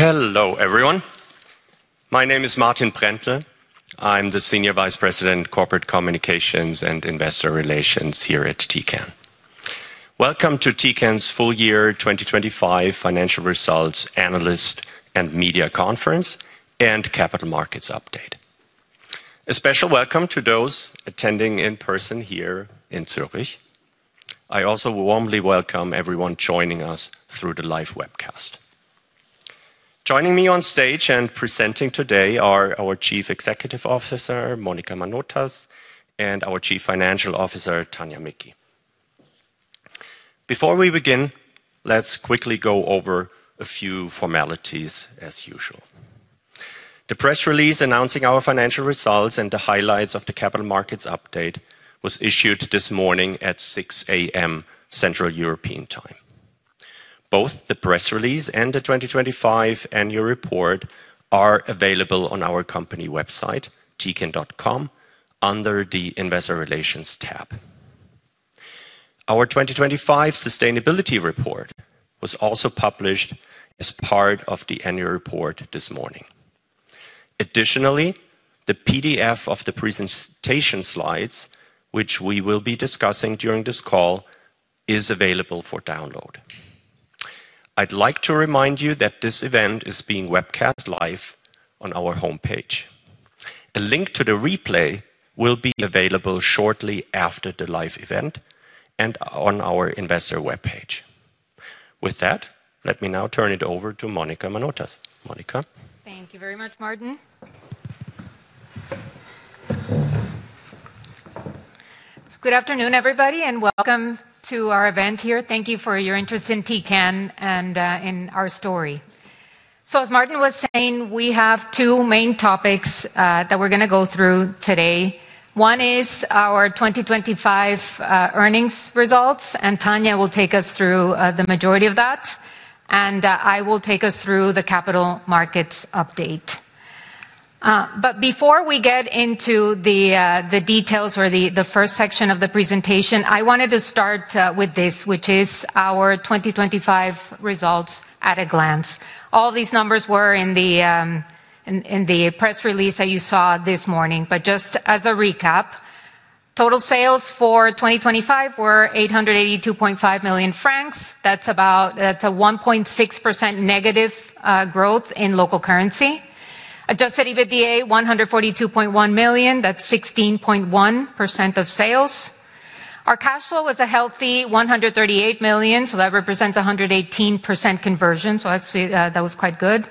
Hello, everyone. My name is Martin Brändle. I'm the Senior Vice President, Corporate Communications and Investor Relations here at Tecan. Welcome to Tecan's Full Year 2025 Financial Results Analyst and Media Conference and Capital Markets Update. A special welcome to those attending in person here in Zurich. I also warmly welcome everyone joining us through the live webcast. Joining me on stage and presenting today are our Chief Executive Officer, Monica Manotas, and our Chief Financial Officer, Tania Micki. Before we begin, let's quickly go over a few formalities as usual. The press release announcing our financial results and the highlights of the capital markets update was issued this morning at 6:00 A.M. Central European Time. Both the press release and the 2025 annual report are available on our company website, tecan.com, under the Investor Relations tab. Our 2025 sustainability report was also published as part of the annual report this morning. Additionally, the PDF of the presentation slides, which we will be discussing during this call, is available for download. I'd like to remind you that this event is being webcast live on our homepage. A link to the replay will be available shortly after the live event and on our investor webpage. With that, let me now turn it over to Monica Manotas. Monica. Thank you very much, Martin. Good afternoon, everybody, and welcome to our event here. Thank you for your interest in Tecan and in our story. As Martin was saying, we have two main topics that we're gonna go through today. One is our 2025 earnings results, and Tania will take us through the majority of that, and I will take us through the capital markets update. Before we get into the details or the first section of the presentation, I wanted to start with this, which is our 2025 results at a glance. All these numbers were in the press release that you saw this morning. Just as a recap, total sales for 2025 were 882.5 million francs. That's about... That's a 1.6% negative growth in local currency. Adjusted EBITDA, 142.1 million. That's 16.1% of sales. Our cash flow was a healthy 138 million, so that represents 118% conversion. I'd say that was quite good.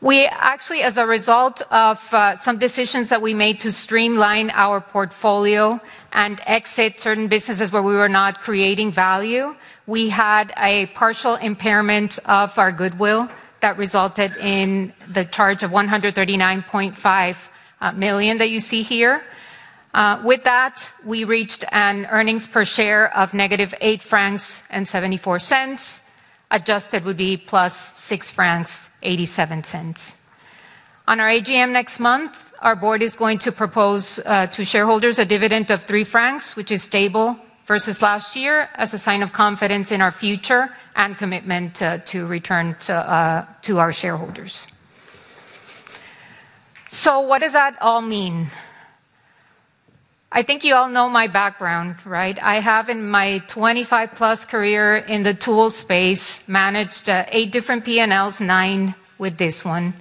We actually, as a result of some decisions that we made to streamline our portfolio and exit certain businesses where we were not creating value, had a partial impairment of our goodwill that resulted in the charge of 139.5 million that you see here. With that, we reached an earnings per share of negative 8.74 francs. Adjusted would be plus 6.87 francs. On our AGM next month, our board is going to propose to shareholders a dividend of 3 francs, which is stable versus last year, as a sign of confidence in our future and commitment to return to our shareholders. What does that all mean? I think you all know my background, right? I have in my 25+ career in the tool space, managed eight different P&Ls, nine with this one.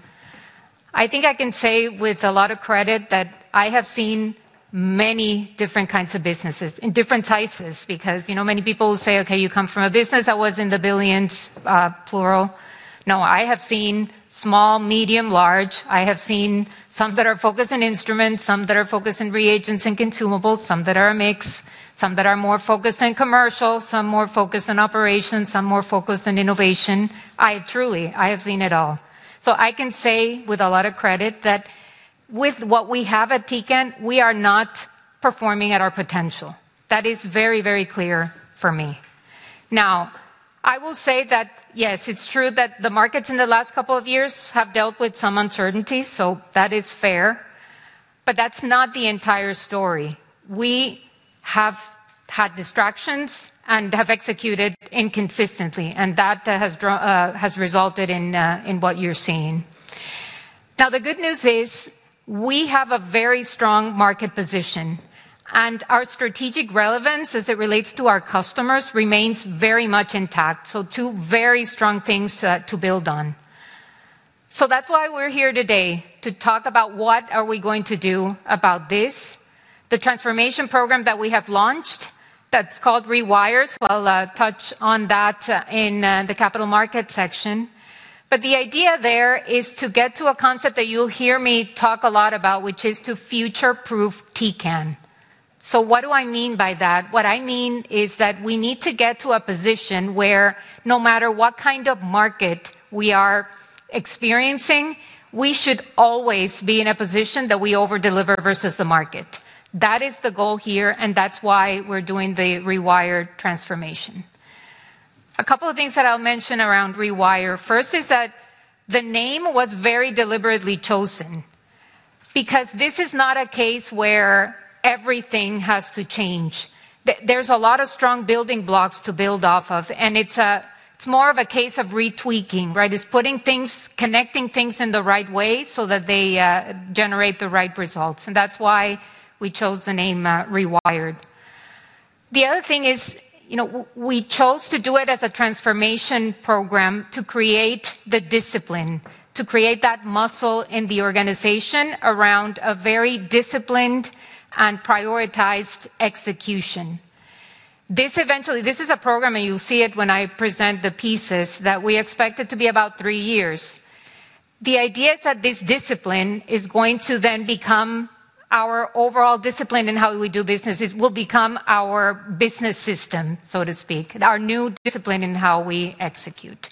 I think I can say with a lot of credit that I have seen many different kinds of businesses in different sizes. Because, you know, many people say, "Okay, you come from a business that was in the billions, plural." No, I have seen small, medium, large. I have seen some that are focused on instruments, some that are focused on reagents and consumables, some that are a mix, some that are more focused on commercial, some more focused on operations, some more focused on innovation. I truly, I have seen it all. I can say with a lot of credit that with what we have at Tecan, we are not performing at our potential. That is very, very clear for me. Now, I will say that, yes, it's true that the markets in the last couple of years have dealt with some uncertainty, so that is fair. That's not the entire story. We have had distractions and have executed inconsistently, and that has resulted in what you're seeing. Now, the good news is we have a very strong market position, and our strategic relevance as it relates to our customers remains very much intact. Two very strong things to build on. That's why we're here today to talk about what are we going to do about this. The transformation program that we have launched that's called Rewire. I'll touch on that in the capital market section. The idea there is to get to a concept that you'll hear me talk a lot about, which is to future-proof Tecan. What do I mean by that? What I mean is that we need to get to a position where no matter what kind of market we are experiencing, we should always be in a position that we over-deliver versus the market. That is the goal here, and that's why we're doing the Rewire transformation. A couple of things that I'll mention around Rewire. First is that the name was very deliberately chosen. Because this is not a case where everything has to change. There's a lot of strong building blocks to build off of, and it's a, it's more of a case of retweaking, right? It's putting things, connecting things in the right way so that they generate the right results, and that's why we chose the name, Rewired. The other thing is, you know, we chose to do it as a transformation program to create the discipline, to create that muscle in the organization around a very disciplined and prioritized execution. This is a program, and you'll see it when I present the pieces, that we expect it to be about three years. The idea is that this discipline is going to then become our overall discipline in how we do business. It will become our business system, so to speak, our new discipline in how we execute.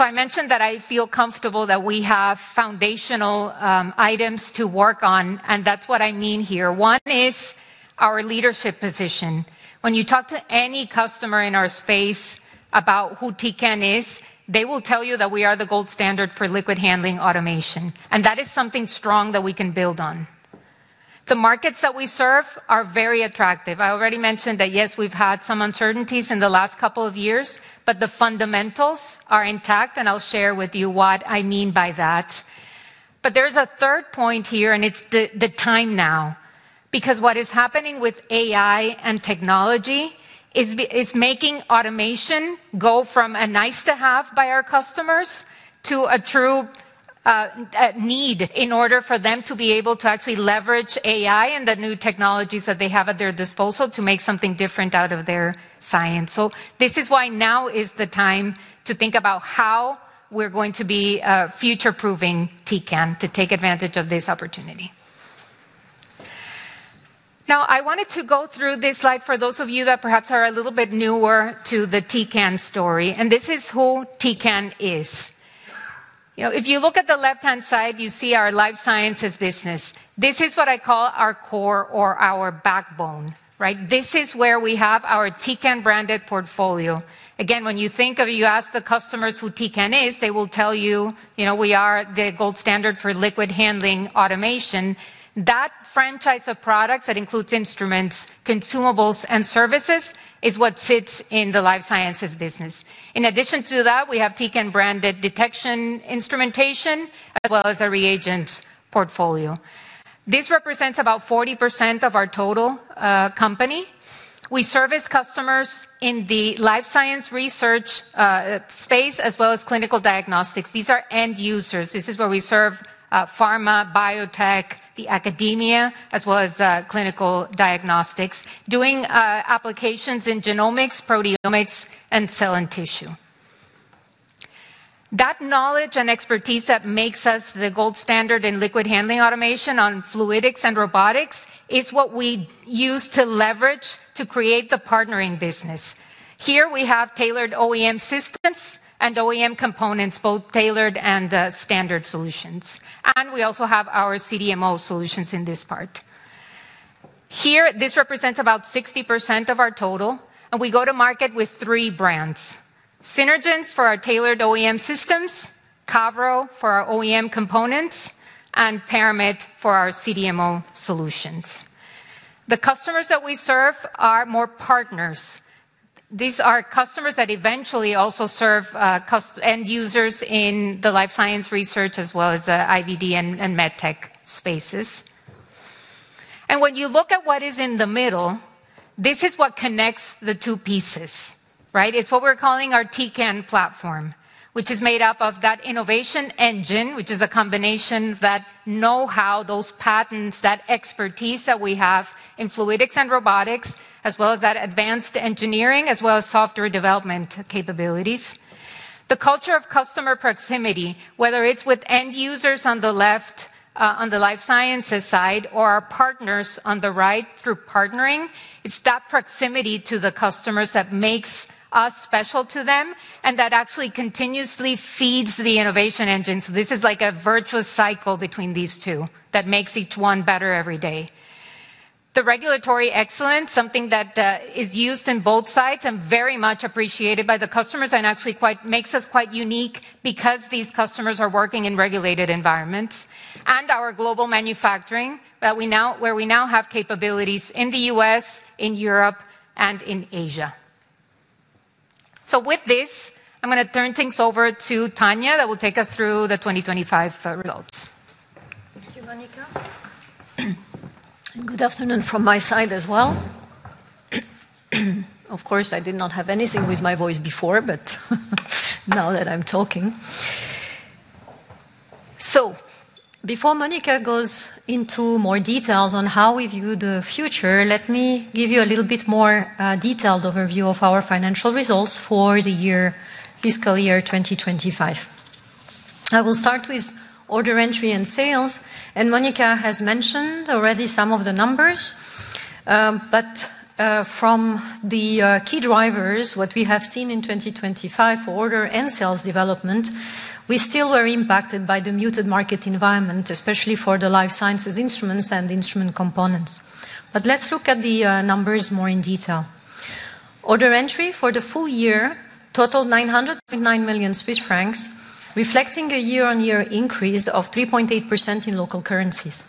I mentioned that I feel comfortable that we have foundational items to work on, and that's what I mean here. One is our leadership position. When you talk to any customer in our space about who Tecan is, they will tell you that we are the gold standard for liquid handling automation, and that is something strong that we can build on. The markets that we serve are very attractive. I already mentioned that, yes, we've had some uncertainties in the last couple of years, but the fundamentals are intact, and I'll share with you what I mean by that. There's a third point here, and it's the time now. Because what is happening with AI and technology is making automation go from a nice-to-have by our customers to a true need in order for them to be able to actually leverage AI and the new technologies that they have at their disposal to make something different out of their science. This is why now is the time to think about how we're going to be future-proofing Tecan to take advantage of this opportunity. I wanted to go through this slide for those of you that perhaps are a little bit newer to the Tecan story, and this is who Tecan is. You know, if you look at the left-hand side, you see our life sciences business. This is what I call our core or our backbone, right? This is where we have our Tecan-branded portfolio. Again, when you think of... You ask the customers who Tecan is, they will tell you know, we are the gold standard for liquid handling automation. That franchise of products that includes instruments, consumables, and services is what sits in the life sciences business. In addition to that, we have Tecan-branded detection instrumentation as well as a reagents portfolio. This represents about 40% of our total company. We service customers in the life science research space as well as clinical diagnostics. These are end users. This is where we serve pharma, biotech, the academia, as well as clinical diagnostics, doing applications in genomics, proteomics, and cell and tissue. That knowledge and expertise that makes us the gold standard in liquid handling automation on fluidics and robotics is what we use to leverage to create the partnering business. Here we have tailored OEM systems and OEM components, both tailored and standard solutions, and we also have our CDMO solutions in this part. Here, this represents about 60% of our total, and we go to market with three brands: Synergence for our tailored OEM systems, Cavro for our OEM components, and Paramit for our CDMO solutions. The customers that we serve are more partners. These are customers that eventually also serve end users in the life science research as well as IVD and MedTech spaces. When you look at what is in the middle, this is what connects the two pieces, right? It's what we're calling our Tecan platform, which is made up of that innovation engine, which is a combination of that know-how, those patents, that expertise that we have in fluidics and robotics, as well as that advanced engineering, as well as software development capabilities. The culture of customer proximity, whether it's with end users on the left, on the life sciences side or our partners on the right through partnering, it's that proximity to the customers that makes us special to them and that actually continuously feeds the innovation engine. This is like a virtuous cycle between these two that makes each one better every day. The regulatory excellence, something that is used in both sides and very much appreciated by the customers and actually quite makes us quite unique because these customers are working in regulated environments. Our global manufacturing where we now have capabilities in the U.S., in Europe, and in Asia. With this, I'm gonna turn things over to Tania that will take us through the 2025 results. Thank you, Monica. Good afternoon from my side as well. Of course, I did not have anything with my voice before, but now that I'm talking. Before Monica goes into more details on how we view the future, let me give you a little bit more detailed overview of our financial results for the year, fiscal year 2025. I will start with order entry and sales, and Monica has mentioned already some of the numbers. From the key drivers, what we have seen in 2025 for order and sales development, we still were impacted by the muted market environment, especially for the life sciences instruments and instrument components. Let's look at the numbers more in detail. Order entry for the full year totaled 900.9 million Swiss francs, reflecting a year-on-year increase of 3.8% in local currencies.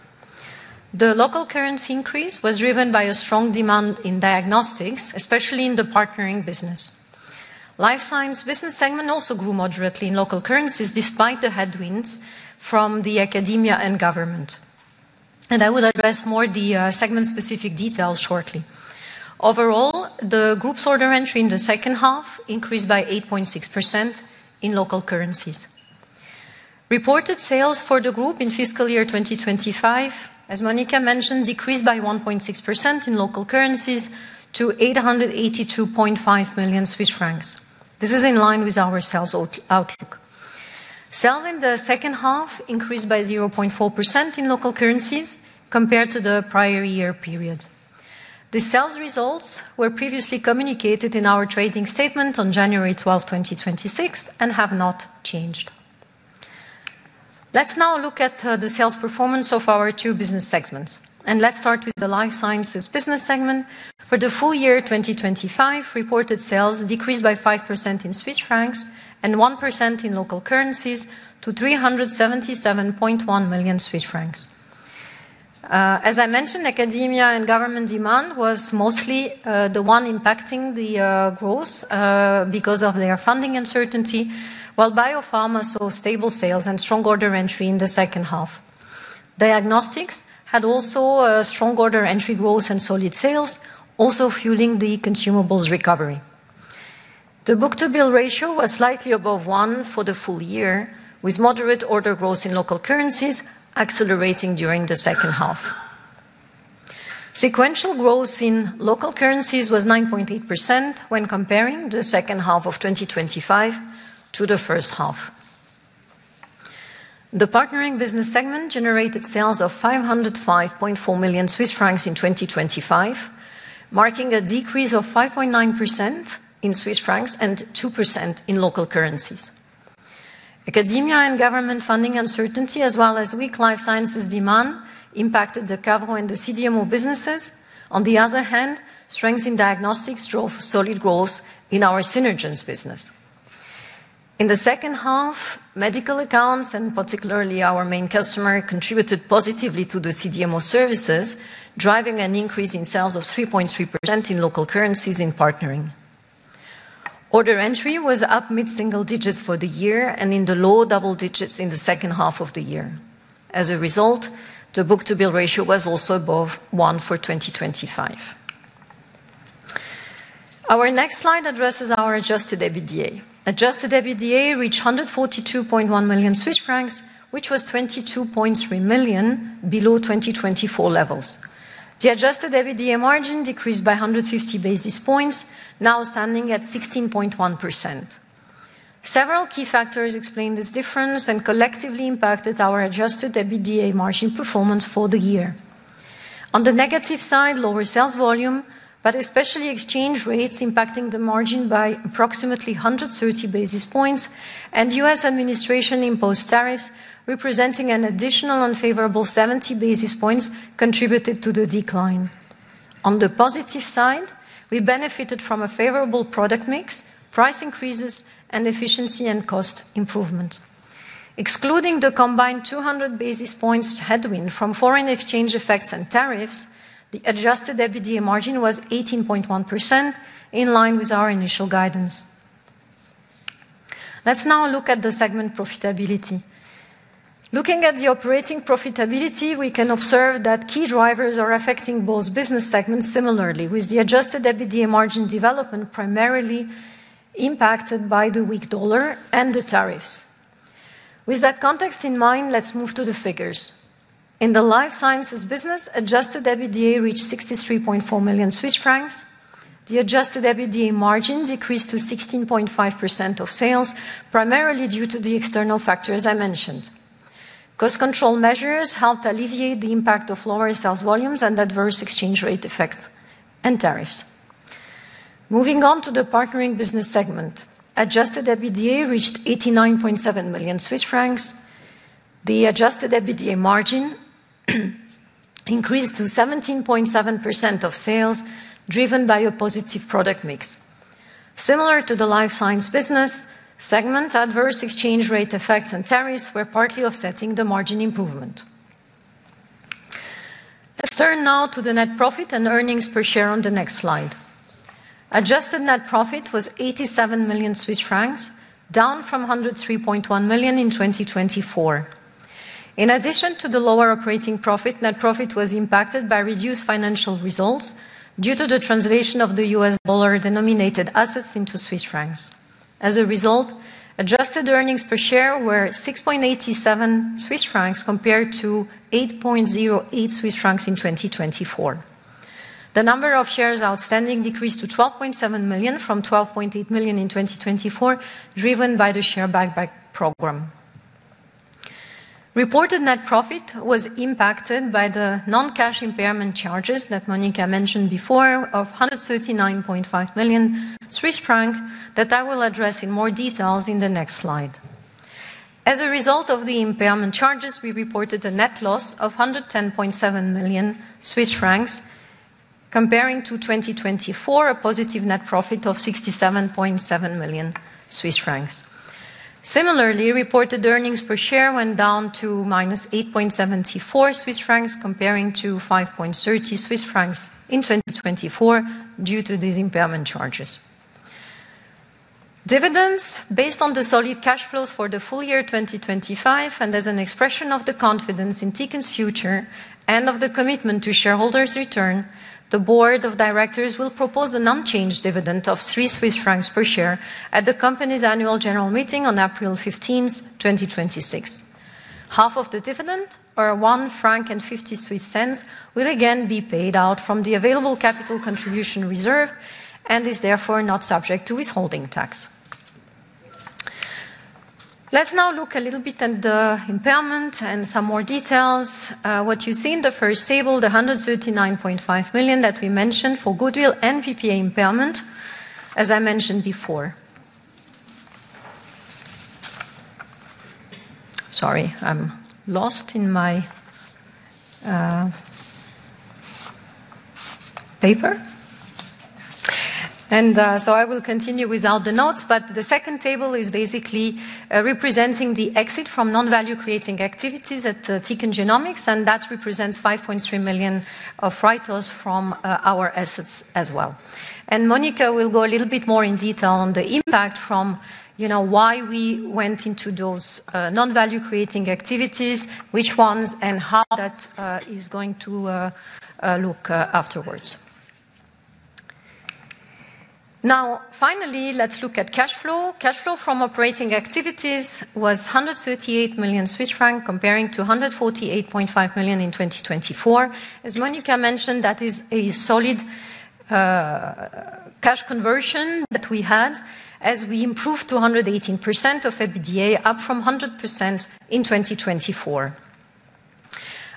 The local currency increase was driven by a strong demand in diagnostics, especially in the partnering business. Life science business segment also grew moderately in local currencies despite the headwinds from the academia and government. I will address more the segment specific details shortly. Overall, the group's order entry in the second half increased by 8.6% in local currencies. Reported sales for the group in fiscal year 2025, as Monica mentioned, decreased by 1.6% in local currencies to 882.5 million Swiss francs. This is in line with our sales outlook. Sales in the second half increased by 0.4% in local currencies compared to the prior year period. The sales results were previously communicated in our trading statement on January 12th, 2026, and have not changed. Let's now look at the sales performance of our two business segments, and let's start with the life sciences business segment. For the full year, 2025 reported sales decreased by 5% in CHF and 1% in local currencies to 377.1 million Swiss francs. As I mentioned, academia and government demand was mostly the one impacting the growth because of their funding uncertainty, while biopharma saw stable sales and strong order entry in the second half. Diagnostics had also a strong order entry growth and solid sales, also fueling the consumables recovery. The book-to-bill ratio was slightly above one for the full year, with moderate order growth in local currencies accelerating during the second half. Sequential growth in local currencies was 9.8% when comparing the second half of 2025 to the first half. The partnering business segment generated sales of 505.4 million Swiss francs in 2025, marking a decrease of 5.9% in Swiss francs and 2% in local currencies. Academia and government funding uncertainty as well as weak life sciences demand impacted the Cavro and the CDMO businesses. On the other hand, strength in diagnostics drove solid growth in our Synergence business. In the second half, medical accounts, and particularly our main customer, contributed positively to the CDMO services, driving an increase in sales of 3.3% in local currencies in partnering. Order entry was up mid-single digits for the year and in the low double digits in the second half of the year. As a result, the book-to-bill ratio was also above one for 2025. Our next slide addresses our adjusted EBITDA. Adjusted EBITDA reached 142.1 million Swiss francs, which was 22.3 million below 2024 levels. The adjusted EBITDA margin decreased by 150 basis points, now standing at 16.1%. Several key factors explain this difference and collectively impacted our adjusted EBITDA margin performance for the year. On the negative side, lower sales volume, but especially exchange rates impacting the margin by approximately 130 basis points and U.S. administration-imposed tariffs representing an additional unfavorable 70 basis points contributed to the decline. On the positive side, we benefited from a favorable product mix, price increases, and efficiency and cost improvement. Excluding the combined 200 basis points headwind from foreign exchange effects and tariffs, the adjusted EBITDA margin was 18.1% in line with our initial guidance. Let's now look at the segment profitability. Looking at the operating profitability, we can observe that key drivers are affecting both business segments similarly with the adjusted EBITDA margin development primarily impacted by the weak dollar and the tariffs. With that context in mind, let's move to the figures. In the life sciences business, adjusted EBITDA reached 63.4 million Swiss francs. The adjusted EBITDA margin decreased to 16.5% of sales, primarily due to the external factors I mentioned. Cost control measures helped alleviate the impact of lower sales volumes and adverse exchange rate effects and tariffs. Moving on to the partnering business segment. Adjusted EBITDA reached 89.7 million Swiss francs. The adjusted EBITDA margin increased to 17.7% of sales driven by a positive product mix. Similar to the life science business segment, adverse exchange rate effects and tariffs were partly offsetting the margin improvement. Let's turn now to the net profit and earnings per share on the next slide. Adjusted net profit was 87 million Swiss francs, down from 103.1 million in 2024. In addition to the lower operating profit, net profit was impacted by reduced financial results due to the translation of the US dollar denominated assets into Swiss francs. As a result, adjusted earnings per share were 6.87 Swiss francs compared to 8.08 Swiss francs in 2024. The number of shares outstanding decreased to 12.7 million from 12.8 million in 2024, driven by the share buyback program. Reported net profit was impacted by the non-cash impairment charges that Monica mentioned before of 139.5 million Swiss francs that I will address in more details in the next slide. As a result of the impairment charges, we reported a net loss of 110.7 million Swiss francs comparing to 2024, a positive net profit of 67.7 million Swiss francs. Similarly, reported earnings per share went down to -8.74 Swiss francs comparing to 5.30 Swiss francs in 2024 due to these impairment charges. Dividends based on the solid cash flows for the full year 2025, as an expression of the confidence in Tecan's future and of the commitment to shareholders' return, the board of directors will propose an unchanged dividend of 3 Swiss francs per share at the company's annual general meeting on April 15th, 2026. Half of the dividend, or 1.50 franc, will again be paid out from the available capital contribution reserve and is therefore not subject to withholding tax. Let's now look a little bit at the impairment and some more details. What you see in the first table, the 139.5 million that we mentioned for goodwill and PPA impairment, as I mentioned before. I will continue without the notes. The second table is basically representing the exit from non-value creating activities at Tecan Genomics, and that represents 5.3 million of write-offs from our assets as well. Monica will go a little bit more in detail on the impact from, you know, why we went into those non-value creating activities, which ones, and how that is going to look afterwards. Now, finally, let's look at cash flow. Cash flow from operating activities was 138 million Swiss francs compared to 148.5 million in 2024. As Monica mentioned, that is a solid cash conversion that we had as we improved to 118% of EBITDA, up from 100% in 2024.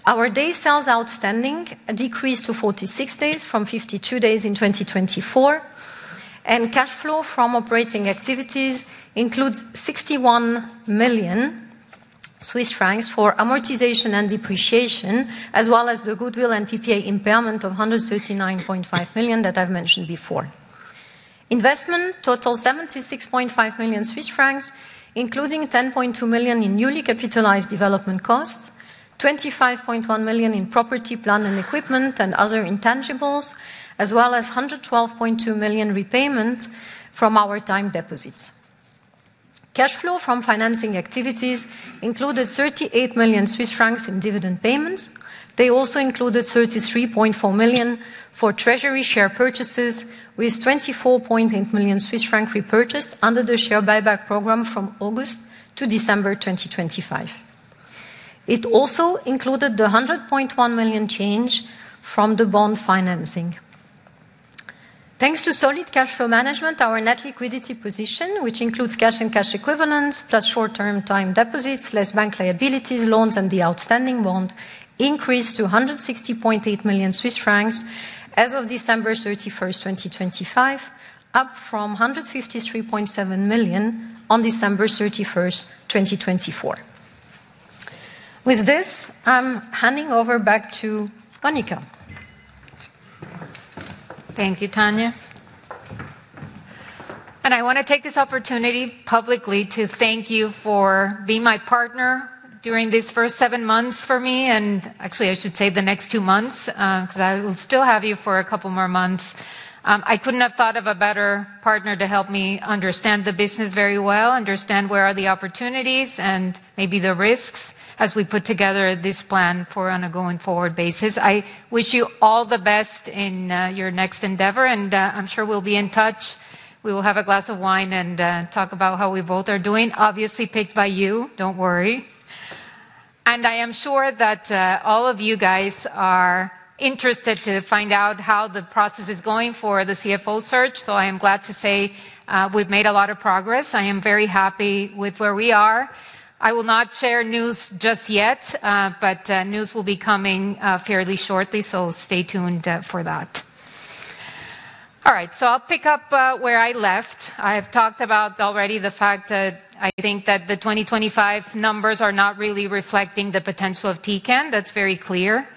Our days sales outstanding decreased to 46 days from 52 days in 2024, and cash flow from operating activities includes 61 million Swiss francs for amortization and depreciation, as well as the goodwill and PPA impairment of 139.5 million that I've mentioned before. Investment totaled 76.5 million Swiss francs, including 10.2 million in newly capitalized development costs, 25.1 million in property, plant, and equipment, and other intangibles, as well as a 112.2 million repayment from our time deposits. Cash flow from financing activities included 38 million Swiss francs in dividend payments. They also included 33.4 million for treasury share purchases, with 24.8 million Swiss francs repurchased under the share buyback program from August to December 2025. It also included the 100.1 million change from the bond financing. Thanks to solid cash flow management, our net liquidity position, which includes cash and cash equivalents, plus short-term time deposits, less bank liabilities, loans, and the outstanding bond, increased to 160.8 million Swiss francs as of December 31st, 2025, up from 153.7 million on December 31st, 2024. With this, I'm handing over back to Monica. Thank you, Tania. I wanna take this opportunity publicly to thank you for being my partner during these first seven months for me, and actually I should say the next two months, 'cause I will still have you for a couple more months. I couldn't have thought of a better partner to help me understand the business very well, understand where are the opportunities and maybe the risks as we put together this plan for on a going-forward basis. I wish you all the best in your next endeavor, and I'm sure we'll be in touch. We will have a glass of wine and talk about how we both are doing, obviously picked by you, don't worry. I am sure that all of you guys are interested to find out how the process is going for the CFO search, so I am glad to say we've made a lot of progress. I am very happy with where we are. I will not share news just yet, but news will be coming fairly shortly, so stay tuned for that. All right, so I'll pick up where I left. I have talked about already the fact that I think that the 2025 numbers are not really reflecting the potential of Tecan. That's very clear.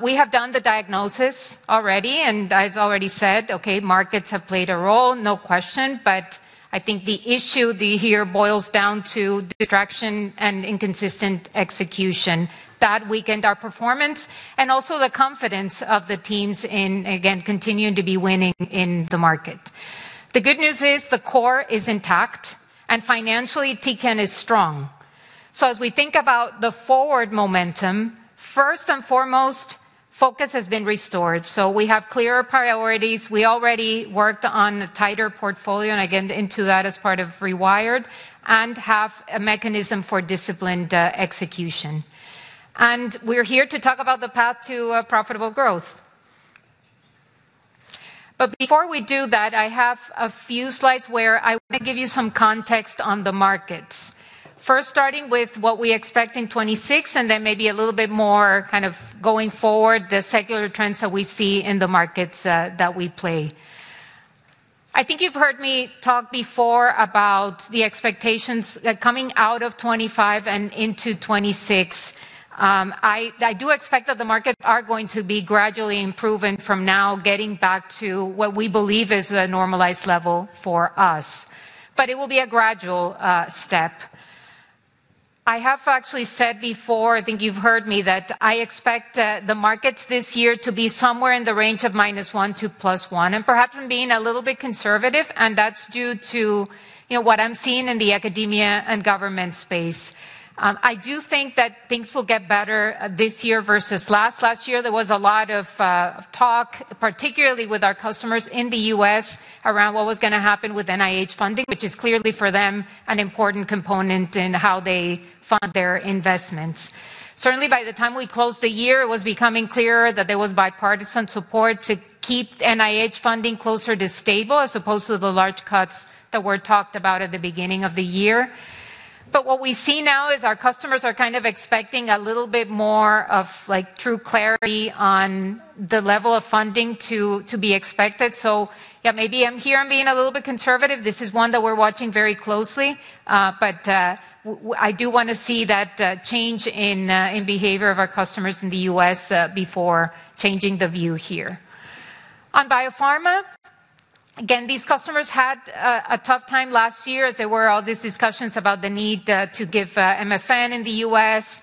We have done the diagnosis already, and I've already said, okay, markets have played a role, no question. I think the issue here boils down to distraction and inconsistent execution that weakened our performance and also the confidence of the teams in, again, continuing to be winning in the market. The good news is the core is intact and financially Tecan is strong. As we think about the forward momentum, first and foremost, focus has been restored, so we have clearer priorities. We already worked on a tighter portfolio, and I get into that as part of Rewired, and have a mechanism for disciplined execution. We're here to talk about the path to profitable growth. Before we do that, I have a few slides where I want to give you some context on the markets. First starting with what we expect in 2026 and then maybe a little bit more kind of going forward, the secular trends that we see in the markets that we play. I think you've heard me talk before about the expectations coming out of 2025 and into 2026. I do expect that the markets are going to be gradually improving from now getting back to what we believe is a normalized level for us. It will be a gradual step. I have actually said before, I think you've heard me, that I expect the markets this year to be somewhere in the range of -1% to +1%, and perhaps I'm being a little bit conservative, and that's due to, you know, what I'm seeing in the academia and government space. I do think that things will get better this year versus last. Last year, there was a lot of talk, particularly with our customers in the US around what was gonna happen with NIH funding, which is clearly for them an important component in how they fund their investments. Certainly, by the time we closed the year, it was becoming clearer that there was bipartisan support to keep NIH funding closer to stable, as opposed to the large cuts that were talked about at the beginning of the year. What we see now is our customers are kind of expecting a little bit more of, like, true clarity on the level of funding to be expected. Yeah, maybe I'm here, I'm being a little bit conservative. This is one that we're watching very closely. I do wanna see that change in behavior of our customers in the U.S. before changing the view here. On biopharma, again, these customers had a tough time last year as there were all these discussions about the need to give MFN in the U.S.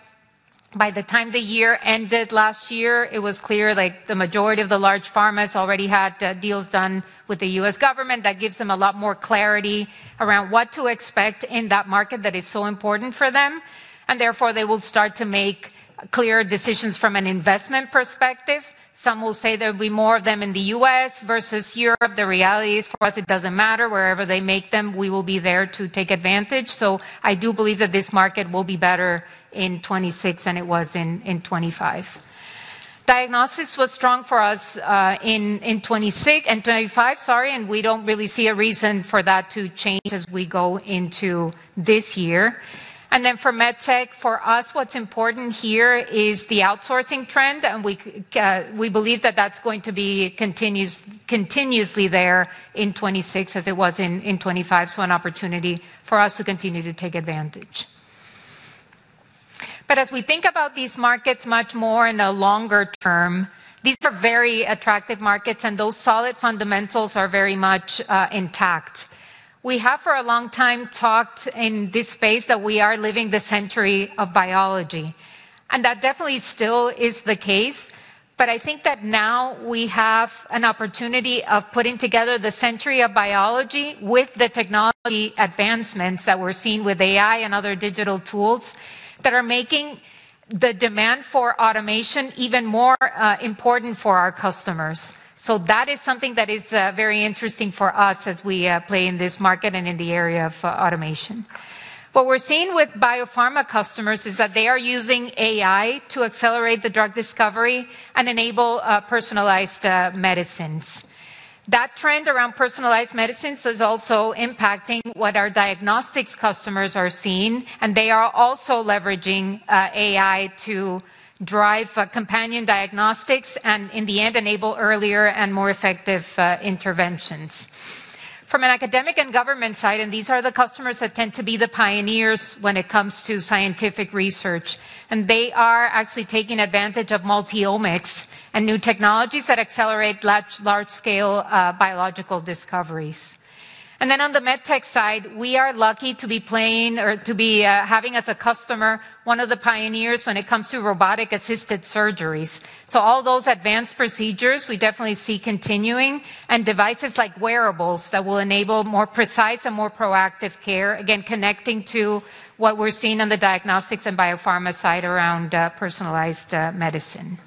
By the time the year ended last year, it was clear, like, the majority of the large pharmas already had deals done with the U.S. government. That gives them a lot more clarity around what to expect in that market that is so important for them, and therefore they will start to make clear decisions from an investment perspective. Some will say there'll be more of them in the U.S. versus Europe. The reality is for us it doesn't matter. Wherever they make them, we will be there to take advantage. I do believe that this market will be better in 2026 than it was in 2025. Diagnostics was strong for us in 2025, and we don't really see a reason for that to change as we go into this year. Then for MedTech, for us, what's important here is the outsourcing trend, and we believe that that's going to be continuously there in 2026 as it was in 2025. An opportunity for us to continue to take advantage. But as we think about these markets much more in the longer term, these are very attractive markets, and those solid fundamentals are very much intact. We have for a long time talked in this space that we are living the century of biology, and that definitely still is the case. I think that now we have an opportunity of putting together the century of biology with the technology advancements that we're seeing with AI and other digital tools that are making the demand for automation even more important for our customers. That is something that is very interesting for us as we play in this market and in the area of automation. What we're seeing with biopharma customers is that they are using AI to accelerate the drug discovery and enable personalized medicines. That trend around personalized medicines is also impacting what our diagnostics customers are seeing, and they are also leveraging AI to drive companion diagnostics and in the end enable earlier and more effective interventions. From an academic and government side, these are the customers that tend to be the pioneers when it comes to scientific research, and they are actually taking advantage of multi-omics and new technologies that accelerate large-scale biological discoveries. On the MedTech side, we are lucky to be playing or to be having as a customer one of the pioneers when it comes to robotic-assisted surgeries. All those advanced procedures we definitely see continuing, and devices like wearables that will enable more precise and more proactive care, again, connecting to what we're seeing on the diagnostics and biopharma side around personalized medicine.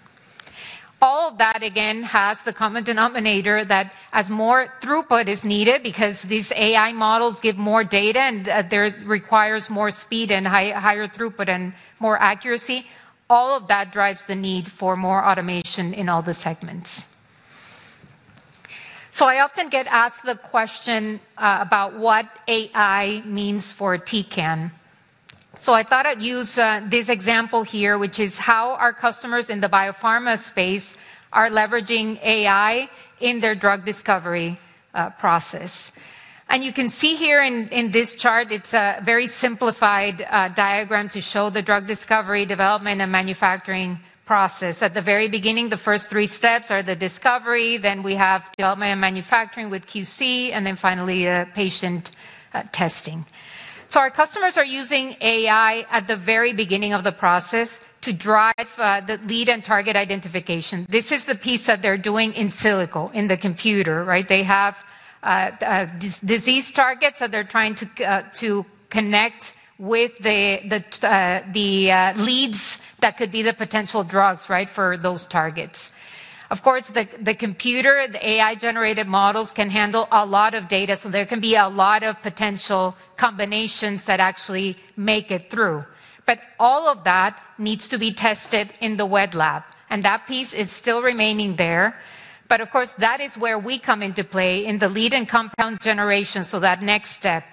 All of that again has the common denominator that as more throughput is needed because these AI models give more data and, there requires more speed and higher throughput and more accuracy, all of that drives the need for more automation in all the segments. I often get asked the question about what AI means for Tecan. I thought I'd use this example here, which is how our customers in the biopharma space are leveraging AI in their drug discovery process. You can see here in this chart, it's a very simplified diagram to show the drug discovery, development, and manufacturing process. At the very beginning, the first three steps are the discovery, then we have development and manufacturing with QC, and then finally, patient testing. Our customers are using AI at the very beginning of the process to drive the lead and target identification. This is the piece that they're doing in silico, in the computer, right? They have disease targets that they're trying to connect with the leads that could be the potential drugs, right, for those targets. Of course, the computer, the AI-generated models can handle a lot of data, so there can be a lot of potential combinations that actually make it through. All of that needs to be tested in the wet lab, and that piece is still remaining there. Of course, that is where we come into play in the lead and compound generation, so that next step.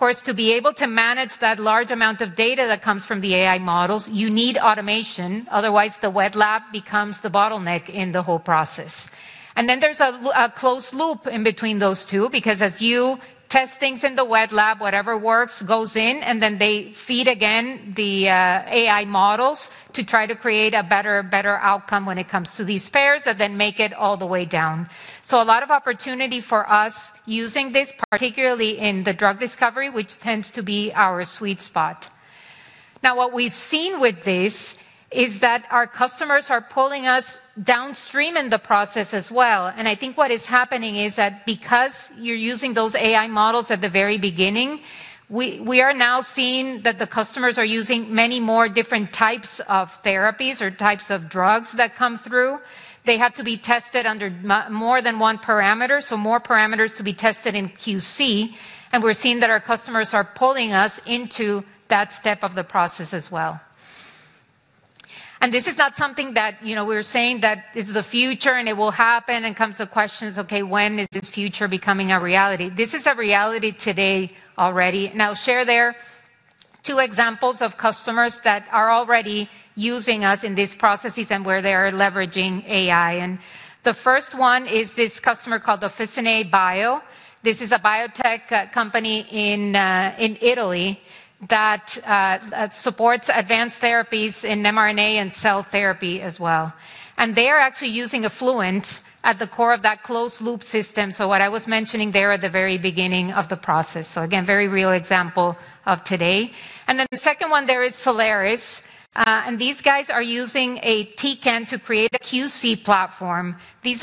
Of course, to be able to manage that large amount of data that comes from the AI models, you need automation, otherwise the wet lab becomes the bottleneck in the whole process. There’s a closed loop in between those two, because as you test things in the wet lab, whatever works goes in, and then they feed again the AI models to try to create a better outcome when it comes to these pairs, and then make it all the way down. A lot of opportunity for us using this, particularly in the drug discovery, which tends to be our sweet spot. Now, what we've seen with this is that our customers are pulling us downstream in the process as well, and I think what is happening is that because you're using those AI models at the very beginning, we are now seeing that the customers are using many more different types of therapies or types of drugs that come through. They have to be tested under more than one parameter, so more parameters to be tested in QC, and we're seeing that our customers are pulling us into that step of the process as well. This is not something that, you know, we're saying that this is the future, and it will happen, and comes the questions, okay, when is this future becoming a reality? This is a reality today already. I'll share there two examples of customers that are already using us in these processes and where they are leveraging AI. The first one is this customer called Officinae Bio. This is a biotech company in Italy that supports advanced therapies in mRNA and cell therapy as well. They are actually using Fluent at the core of that closed loop system, so what I was mentioning there at the very beginning of the process. Again, very real example of today. Then the second one there is Solaris, and these guys are using a Tecan to create a QC platform. This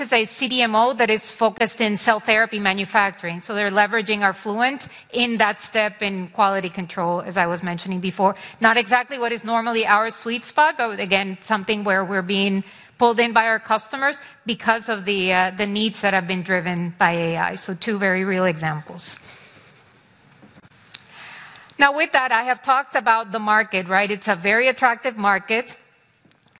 is a CDMO that is focused in cell therapy manufacturing, so they're leveraging Fluent in that step in quality control, as I was mentioning before. Not exactly what is normally our sweet spot, but again, something where we're being pulled in by our customers because of the needs that have been driven by AI. Two very real examples. Now, with that, I have talked about the market, right? It's a very attractive market,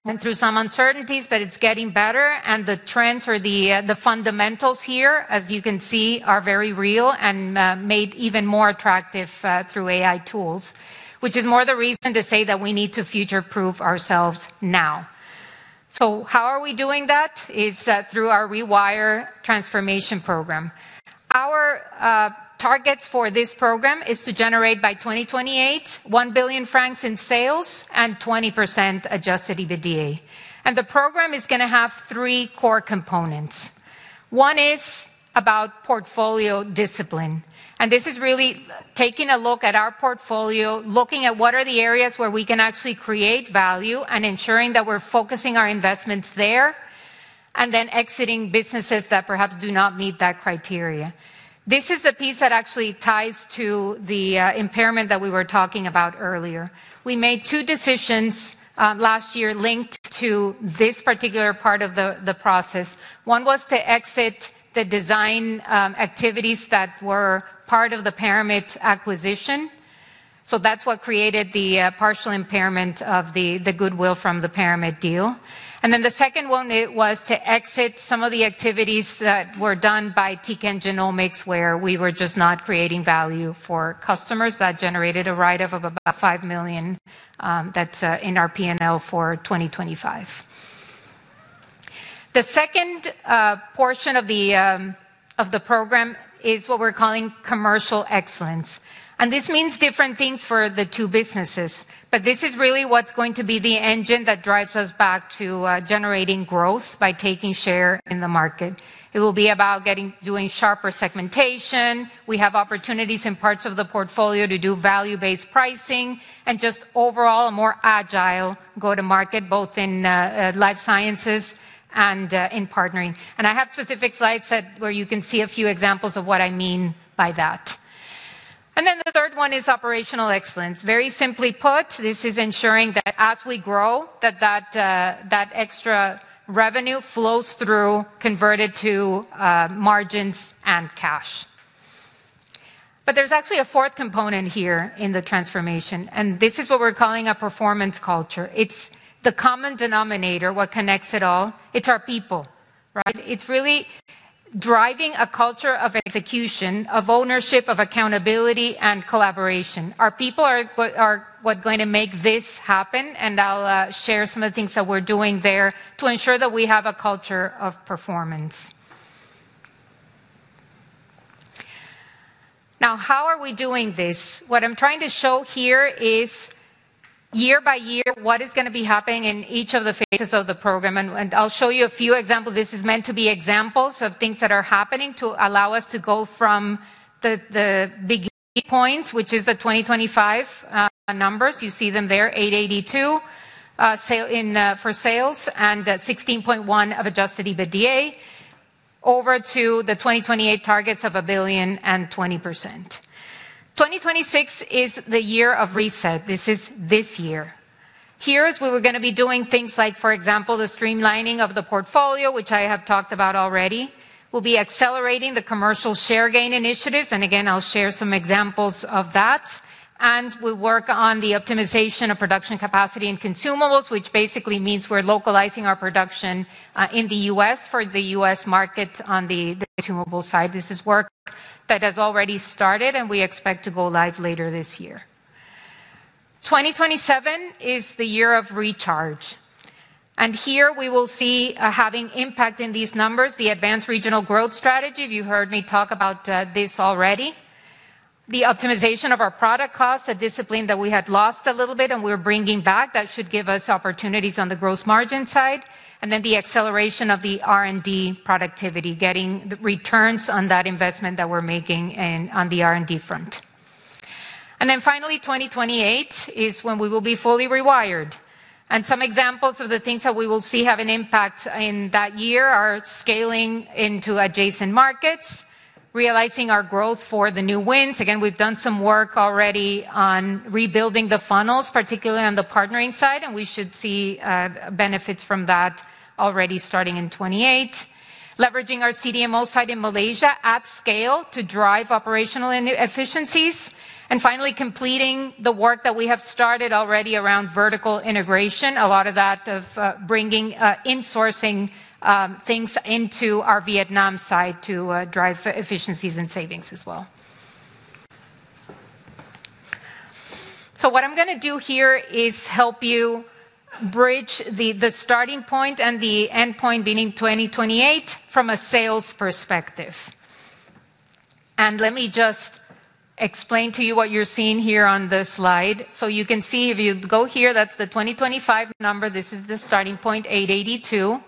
went through some uncertainties, but it's getting better, and the trends or the fundamentals here, as you can see, are very real and made even more attractive through AI tools, which is more the reason to say that we need to future-proof ourselves now. How are we doing that? It's through our Rewire transformation program. Our targets for this program is to generate by 2028 1 billion francs in sales and 20% adjusted EBITDA. The program is gonna have three core components. One is about portfolio discipline, and this is really taking a look at our portfolio, looking at what are the areas where we can actually create value, and ensuring that we're focusing our investments there, and then exiting businesses that perhaps do not meet that criteria. This is a piece that actually ties to the impairment that we were talking about earlier. We made two decisions last year linked to this particular part of the process. One was to exit the design activities that were part of the Paramit acquisition, so that's what created the partial impairment of the goodwill from the Paramit deal. The second one, it was to exit some of the activities that were done by Tecan Genomics where we were just not creating value for customers. That generated a write-off of about 5 million, that's in our P&L for 2025. The second portion of the program is what we're calling commercial excellence, and this means different things for the two businesses. This is really what's going to be the engine that drives us back to generating growth by taking share in the market. It will be about doing sharper segmentation. We have opportunities in parts of the portfolio to do value-based pricing and just overall a more agile go-to-market, both in life sciences and in partnering. I have specific slides where you can see a few examples of what I mean by that. Then the third one is operational excellence. Very simply put, this is ensuring that as we grow, that extra revenue flows through, converted to, margins and cash. There's actually a fourth component here in the transformation, and this is what we're calling a performance culture. It's the common denominator, what connects it all. It's our people, right? It's really driving a culture of execution, of ownership, of accountability, and collaboration. Our people are what going to make this happen, and I'll share some of the things that we're doing there to ensure that we have a culture of performance. Now, how are we doing this? What I'm trying to show here is year by year what is gonna be happening in each of the phases of the program, and I'll show you a few examples. This is meant to be examples of things that are happening to allow us to go from the beginning point, which is the 2025 numbers. You see them there, 882 million in sales and 16.1% adjusted EBITDA over to the 2028 targets of 1 billion and 20%. 2026 is the year of reset. This is this year. Here is where we're gonna be doing things like, for example, the streamlining of the portfolio, which I have talked about already. We'll be accelerating the commercial share gain initiatives, and again, I'll share some examples of that. We work on the optimization of production capacity and consumables, which basically means we're localizing our production in the U.S. for the U.S. market on the consumable side. This is work that has already started, and we expect to go live later this year. 2027 is the year of recharge, and here we will see having impact in these numbers, the advanced regional growth strategy. You've heard me talk about this already. The optimization of our product cost, a discipline that we had lost a little bit and we're bringing back, that should give us opportunities on the gross margin side. The acceleration of the R&D productivity, getting the returns on that investment that we're making on the R&D front. 2028 is when we will be fully Rewired. Some examples of the things that we will see have an impact in that year are scaling into adjacent markets, realizing our growth for the new wins. We've done some work already on rebuilding the funnels, particularly on the partnering side, and we should see benefits from that already starting in 2028. Leveraging our CDMO site in Malaysia at scale to drive operational inefficiencies, and finally completing the work that we have started already around vertical integration. A lot of that bringing insourcing things into our Vietnam site to drive efficiencies and savings as well. What I'm gonna do here is help you bridge the starting point and the endpoint beginning 2028 from a sales perspective. Let me just explain to you what you're seeing here on this slide. You can see if you go here, that's the 2025 number. This is the starting point, 882 million.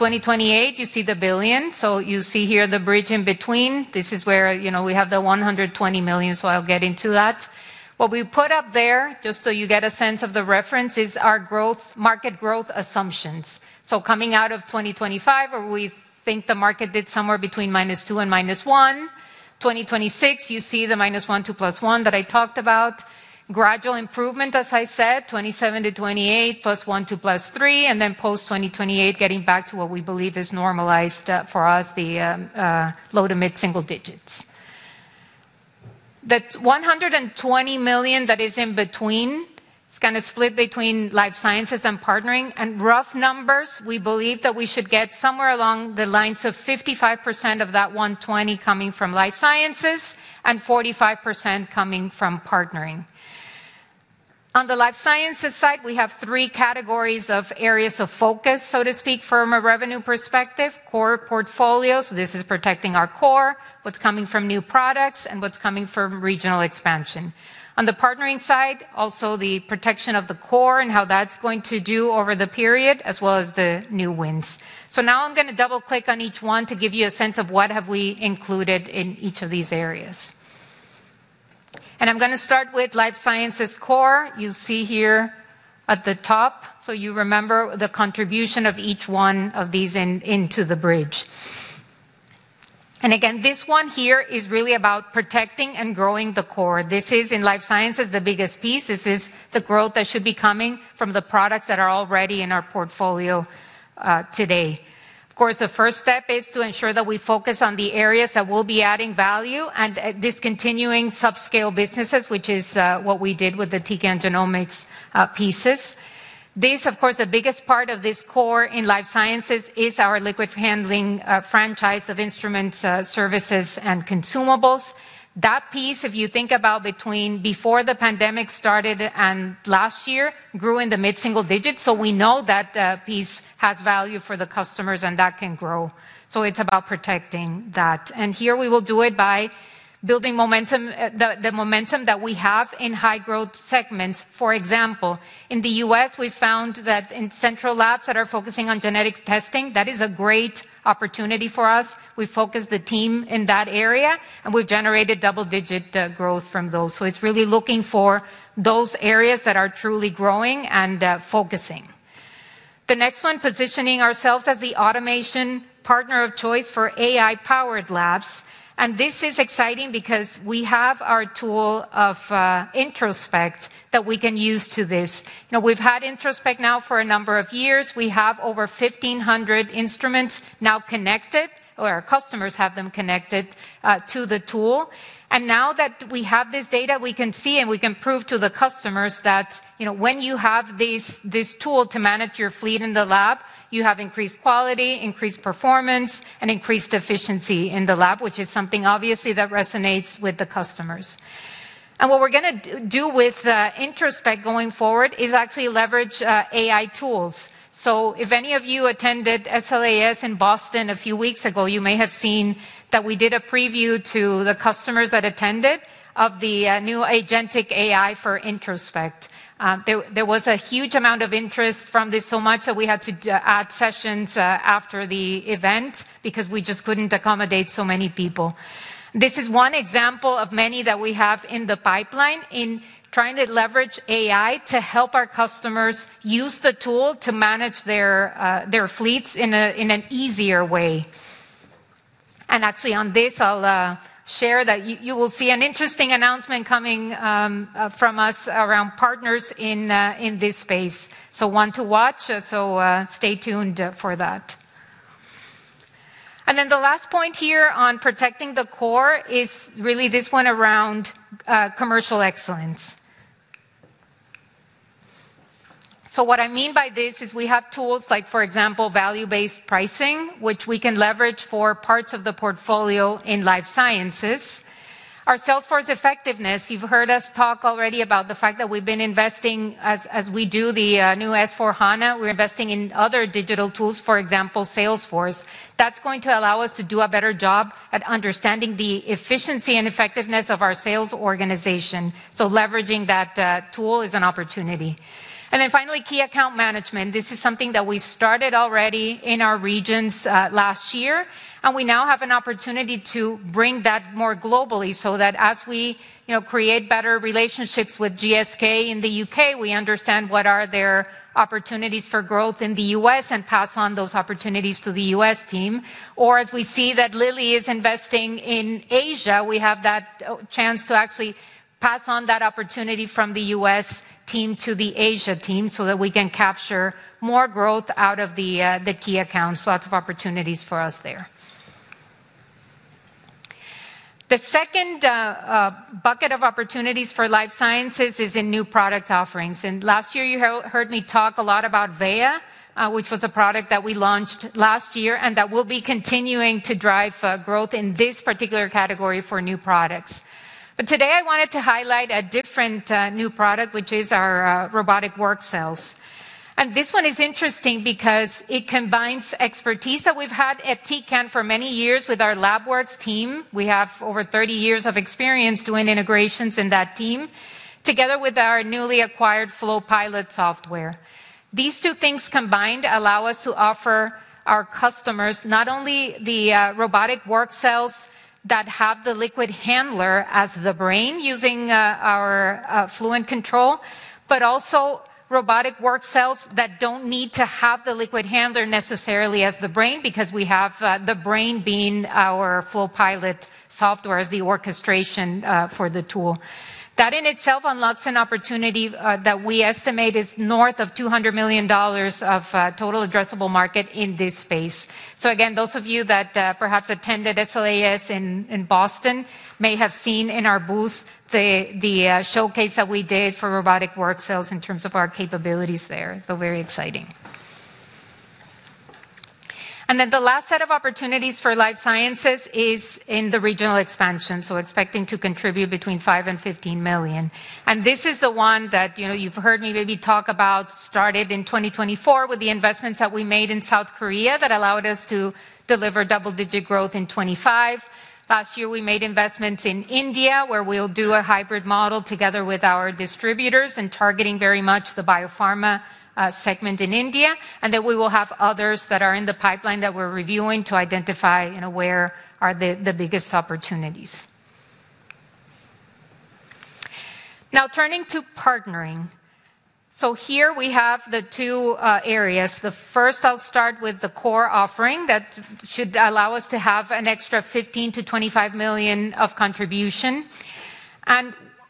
2028, you see the billion. You see here the bridge in between. This is where, you know, we have the 120 million, so I'll get into that. What we put up there, just so you get a sense of the reference, is our growth, market growth assumptions. Coming out of 2025, where we think the market did somewhere between -2% and -1%. 2026, you see the -1% to +1% that I talked about. Gradual improvement, as I said, 2027 to 2028, +1% to +3%, and then post-2028, getting back to what we believe is normalized for us, the low-to-mid single digits. The 120 million that is in between, it's gonna split between life sciences and partnering. Rough numbers, we believe that we should get somewhere along the lines of 55% of that 120 coming from life sciences and 45% coming from partnering. On the life sciences side, we have three categories of areas of focus, so to speak, from a revenue perspective. Core portfolio, so this is protecting our core, what's coming from new products, and what's coming from regional expansion. On the partnering side, also the protection of the core and how that's going to do over the period, as well as the new wins. Now I'm gonna double-click on each one to give you a sense of what have we included in each of these areas. I'm gonna start with life sciences core. You see here at the top, so you remember the contribution of each one of these into the bridge. Again, this one here is really about protecting and growing the core. This is, in life sciences, the biggest piece. This is the growth that should be coming from the products that are already in our portfolio, today. Of course, the first step is to ensure that we focus on the areas that will be adding value and, discontinuing subscale businesses, which is, what we did with the Tecan Genomics, pieces. This, of course, the biggest part of this core in life sciences is our liquid handling, franchise of instruments, services, and consumables. That piece, if you think about between before the pandemic started and last year, grew in the mid-single digits, so we know that that piece has value for the customers and that can grow. It's about protecting that. Here we will do it by building momentum, the momentum that we have in high-growth segments. For example, in the U.S., we found that in central labs that are focusing on genetic testing, that is a great opportunity for us. We focus the team in that area, and we've generated double-digit growth from those. It's really looking for those areas that are truly growing and focusing. The next one, positioning ourselves as the automation partner of choice for AI-powered labs, and this is exciting because we have our tool, Introspect, that we can use for this. We've had Introspect now for a number of years. We have over 1,500 instruments now connected, or our customers have them connected to the tool. Now that we have this data, we can see and we can prove to the customers that, you know, when you have this tool to manage your fleet in the lab, you have increased quality, increased performance, and increased efficiency in the lab, which is something obviously that resonates with the customers. What we're gonna do with Introspect going forward is actually leverage AI tools. If any of you attended SLAS in Boston a few weeks ago, you may have seen that we did a preview to the customers that attended of the new agentic AI for Introspect. There was a huge amount of interest from this, so much that we had to add sessions after the event because we just couldn't accommodate so many people. This is one example of many that we have in the pipeline in trying to leverage AI to help our customers use the tool to manage their fleets in an easier way. Actually on this, I'll share that you will see an interesting announcement coming from us around partners in this space. One to watch, stay tuned for that. Then the last point here on protecting the core is really this one around commercial excellence. What I mean by this is we have tools like, for example, value-based pricing, which we can leverage for parts of the portfolio in Life Sciences. Our Salesforce effectiveness, you've heard us talk already about the fact that we've been investing as we do the new S/4HANA, we're investing in other digital tools, for example, Salesforce. That's going to allow us to do a better job at understanding the efficiency and effectiveness of our sales organization. Leveraging that tool is an opportunity. Finally, key account management. This is something that we started already in our regions last year, and we now have an opportunity to bring that more globally so that as we, you know, create better relationships with GSK in the UK, we understand what are their opportunities for growth in the US and pass on those opportunities to the US team. Or as we see that Lilly is investing in Asia, we have that chance to actually pass on that opportunity from the US team to the Asia team so that we can capture more growth out of the key accounts. Lots of opportunities for us there. The second bucket of opportunities for life sciences is in new product offerings. Last year you heard me talk a lot about Veya, which was a product that we launched last year, and that will be continuing to drive growth in this particular category for new products. Today I wanted to highlight a different new product, which is our robotic workcells. This one is interesting because it combines expertise that we've had at Tecan for many years with our Labwerx team. We have over 30 years of experience doing integrations in that team, together with our newly acquired FlowPilot software. These two things combined allow us to offer our customers not only the robotic work cells that have the liquid handler as the brain using our FluentControl, but also robotic work cells that don't need to have the liquid handler necessarily as the brain because we have the brain being our FlowPilot software as the orchestration for the tool. That in itself unlocks an opportunity that we estimate is north of $200 million of total addressable market in this space. Again, those of you that perhaps attended SLAS in Boston may have seen in our booth the showcase that we did for robotic work cells in terms of our capabilities there. Very exciting. The last set of opportunities for Life Sciences is in the regional expansion, so expecting to contribute between 5 million and 15 million. This is the one that, you know, you've heard me maybe talk about started in 2024 with the investments that we made in South Korea that allowed us to deliver double-digit growth in 2025. Last year, we made investments in India, where we'll do a hybrid model together with our distributors and targeting very much the biopharma segment in India. We will have others that are in the pipeline that we're reviewing to identify, you know, where are the biggest opportunities. Now, turning to partnering. Here we have the two areas. The first, I'll start with the core offering that should allow us to have an extra 15 million-25 million of contribution.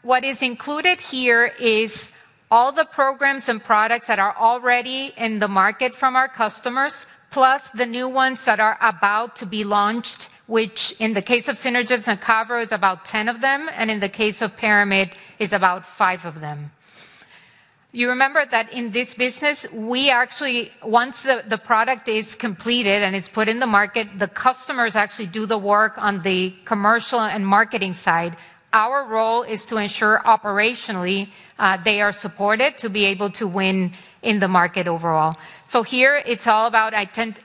What is included here is all the programs and products that are already in the market from our customers, plus the new ones that are about to be launched, which in the case of Synergence and Cavro is about 10 of them, and in the case of Paramit is about five of them. You remember that in this business, we actually once the product is completed and it's put in the market, the customers actually do the work on the commercial and marketing side. Our role is to ensure operationally they are supported to be able to win in the market overall. Here it's all about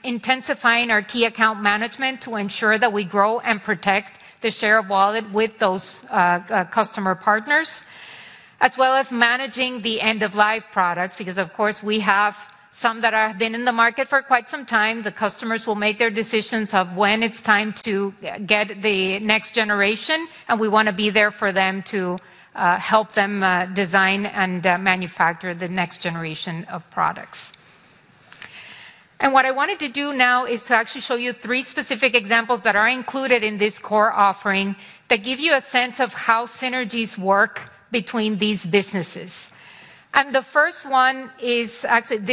intensifying our key account management to ensure that we grow and protect the share of wallet with those customer partners, as well as managing the end-of-life products, because of course, we have some that have been in the market for quite some time. The customers will make their decisions of when it's time to get the next generation, and we wanna be there for them to help them design and manufacture the next generation of products. What I wanted to do now is to actually show you three specific examples that are included in this core offering that give you a sense of how synergies work between these businesses. The first one is actually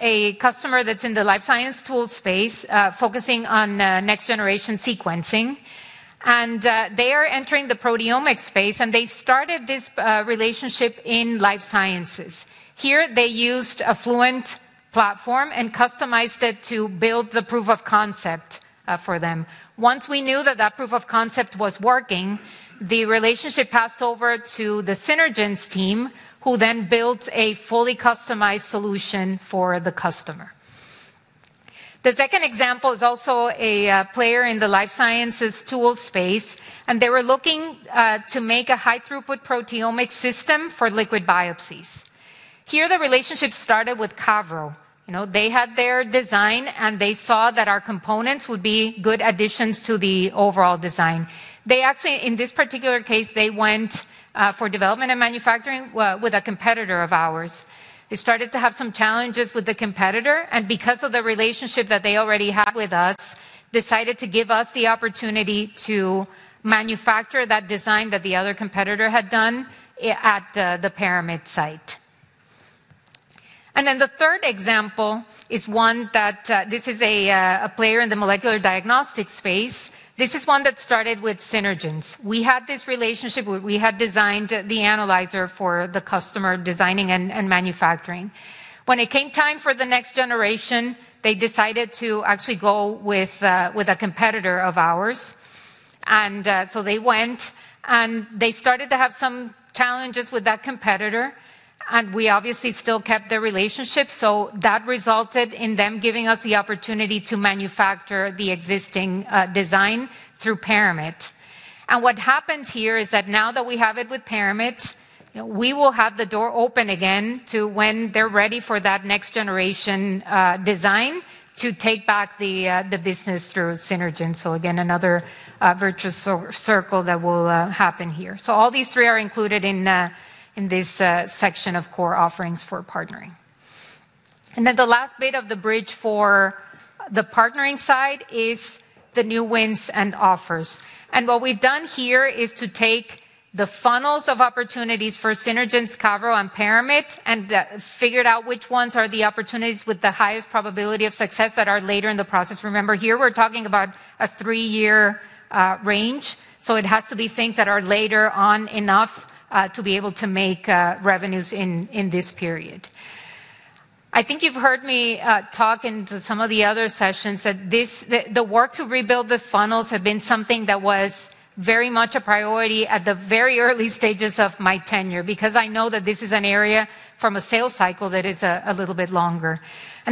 a customer that's in the life science tool space focusing on next-generation sequencing. They are entering the proteomics space, and they started this relationship in Life Sciences. Here they used a Fluent platform and customized it to build the proof of concept for them. Once we knew that that proof of concept was working, the relationship passed over to the Synergence team, who then built a fully customized solution for the customer. The second example is also a player in the life sciences tool space, and they were looking to make a high-throughput proteomics system for liquid biopsies. Here, the relationship started with Cavro. You know, they had their design, and they saw that our components would be good additions to the overall design. They actually, in this particular case, they went for development and manufacturing with a competitor of ours. They started to have some challenges with the competitor and because of the relationship that they already had with us, decided to give us the opportunity to manufacture that design that the other competitor had done at the Paramit site. Then the third example is one that this is a player in the molecular diagnostics space. This is one that started with Synergence. We had this relationship where we had designed the analyzer for the customer, designing and manufacturing. When it came time for the next generation, they decided to actually go with a competitor of ours. They went, and they started to have some challenges with that competitor, and we obviously still kept the relationship, so that resulted in them giving us the opportunity to manufacture the existing design through Paramit. What happened here is that now that we have it with Paramit, we will have the door open again to when they're ready for that next generation design to take back the business through Synergence. Again, another virtuous circle that will happen here. All these three are included in this section of core offerings for partnering. Then the last bit of the bridge for the partnering side is the new wins and offers. What we've done here is to take the funnels of opportunities for Synergence, Cavro, and Paramit, and figured out which ones are the opportunities with the highest probability of success that are later in the process. Remember, here we're talking about a three-year range, so it has to be things that are late enough to be able to make revenues in this period. I think you've heard me talk in some of the other sessions that this, the work to rebuild the funnels have been something that was very much a priority at the very early stages of my tenure, because I know that this is an area from a sales cycle that is a little bit longer.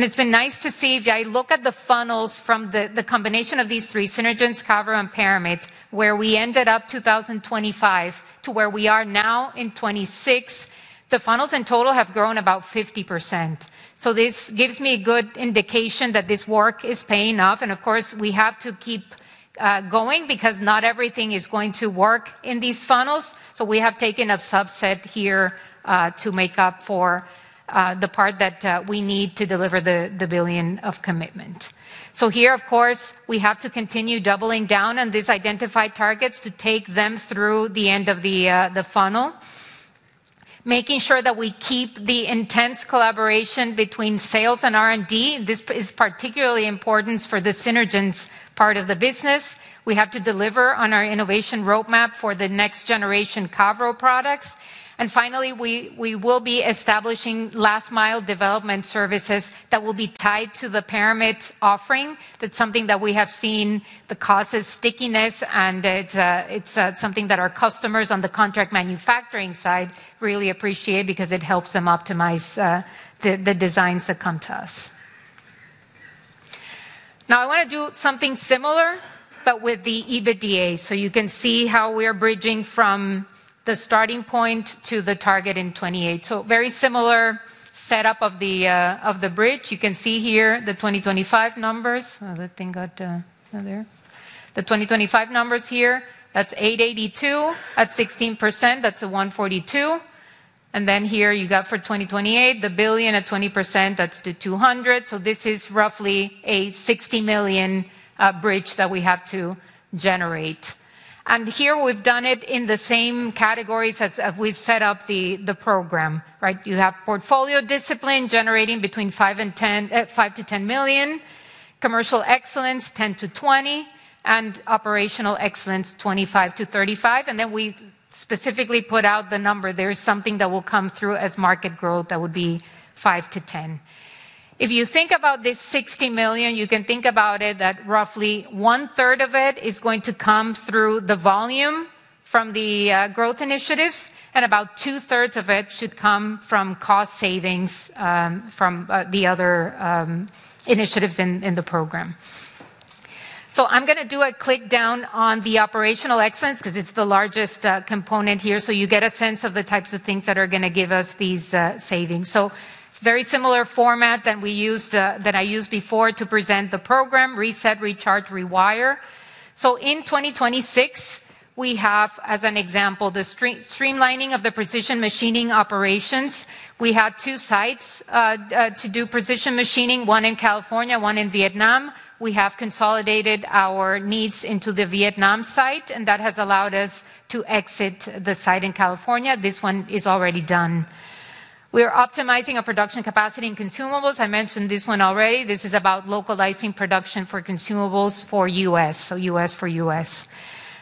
It's been nice to see. If I look at the funnels from the combination of these three, Synergence, Cavro, and Paramit, where we ended up 2025 to where we are now in 2026, the funnels in total have grown about 50%. This gives me a good indication that this work is paying off. Of course, we have to keep going because not everything is going to work in these funnels. We have taken a subset here to make up for the part that we need to deliver the billion of commitment. Here, of course, we have to continue doubling down on these identified targets to take them through the end of the funnel, making sure that we keep the intense collaboration between sales and R&D. This is particularly important for the Synergence part of the business. We have to deliver on our innovation roadmap for the next generation Cavro products. Finally, we will be establishing last-mile development services that will be tied to the Paramit offering. That's something that we have seen that causes stickiness, and it is something that our customers on the contract manufacturing side really appreciate because it helps them optimize the designs that come to us. Now, I wanna do something similar but with the EBITDA, so you can see how we are bridging from the starting point to the target in 2028. Very similar setup of the bridge. You can see here the 2025 numbers. Oh, that thing got there. The 2025 numbers here, that's 882 at 16%, that's a 142. Then here you got for 2028 the 1 billion at 20%, that's the 200. This is roughly a 60 million bridge that we have to generate. Here we've done it in the same categories as we've set up the program, right? You have portfolio discipline generating between 5-10 million; commercial excellence, 10-20 million; and operational excellence, 25-35 million. We specifically put out the number. There is something that will come through as market growth that would be 5-10 million. If you think about this 60 million, you can think about it that roughly 1/3 of it is going to come through the volume from the growth initiatives, and about 2/3 of it should come from cost savings from the other initiatives in the program. I'm gonna do a click down on the operational excellence because it's the largest component here, so you get a sense of the types of things that are gonna give us these savings. It's very similar format than we used that I used before to present the program: reset, recharge, rewire. In 2026, we have as an example, the streamlining of the precision machining operations. We had two sites to do precision machining, one in California, one in Vietnam. We have consolidated our needs into the Vietnam site, and that has allowed us to exit the site in California. This one is already done. We are optimizing our production capacity in consumables. I mentioned this one already. This is about localizing production for consumables for U.S., so U.S. for U.S.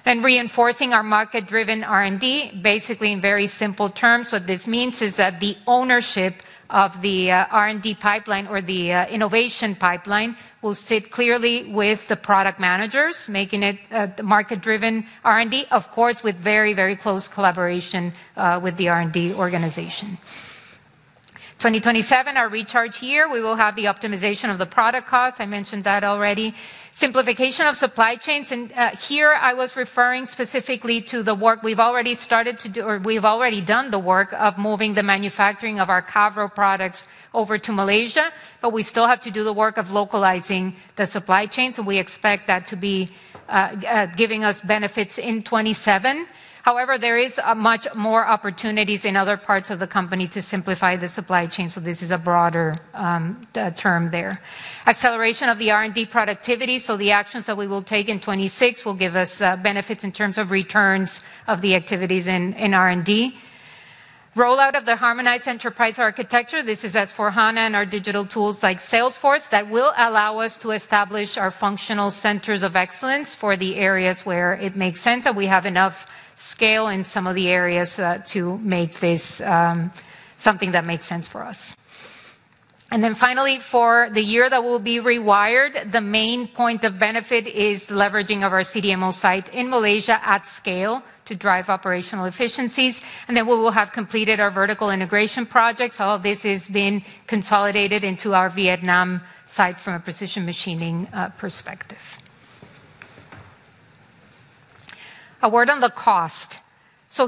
Reinforcing our market-driven R&D. Basically, in very simple terms, what this means is that the ownership of the R&D pipeline or the innovation pipeline will sit clearly with the product managers, making it the market-driven R&D, of course, with very, very close collaboration with the R&D organization. 2027, our recharge year, we will have the optimization of the product cost. I mentioned that already. Simplification of supply chains, and here I was referring specifically to the work we've already done the work of moving the manufacturing of our Cavro products over to Malaysia, but we still have to do the work of localizing the supply chain, so we expect that to be giving us benefits in 2027. However, there is much more opportunities in other parts of the company to simplify the supply chain, so this is a broader term there. Acceleration of the R&D productivity, so the actions that we will take in 2026 will give us benefits in terms of returns of the activities in R&D. Rollout of the harmonized enterprise architecture. This is as for S/4HANA and our digital tools like Salesforce that will allow us to establish our functional centers of excellence for the areas where it makes sense that we have enough scale in some of the areas to make this something that makes sense for us. Finally, for the year that we'll be Rewired, the main point of benefit is leveraging of our CDMO site in Malaysia at scale to drive operational efficiencies, and then we will have completed our vertical integration projects. All this is being consolidated into our Vietnam site from a precision machining perspective. A word on the cost.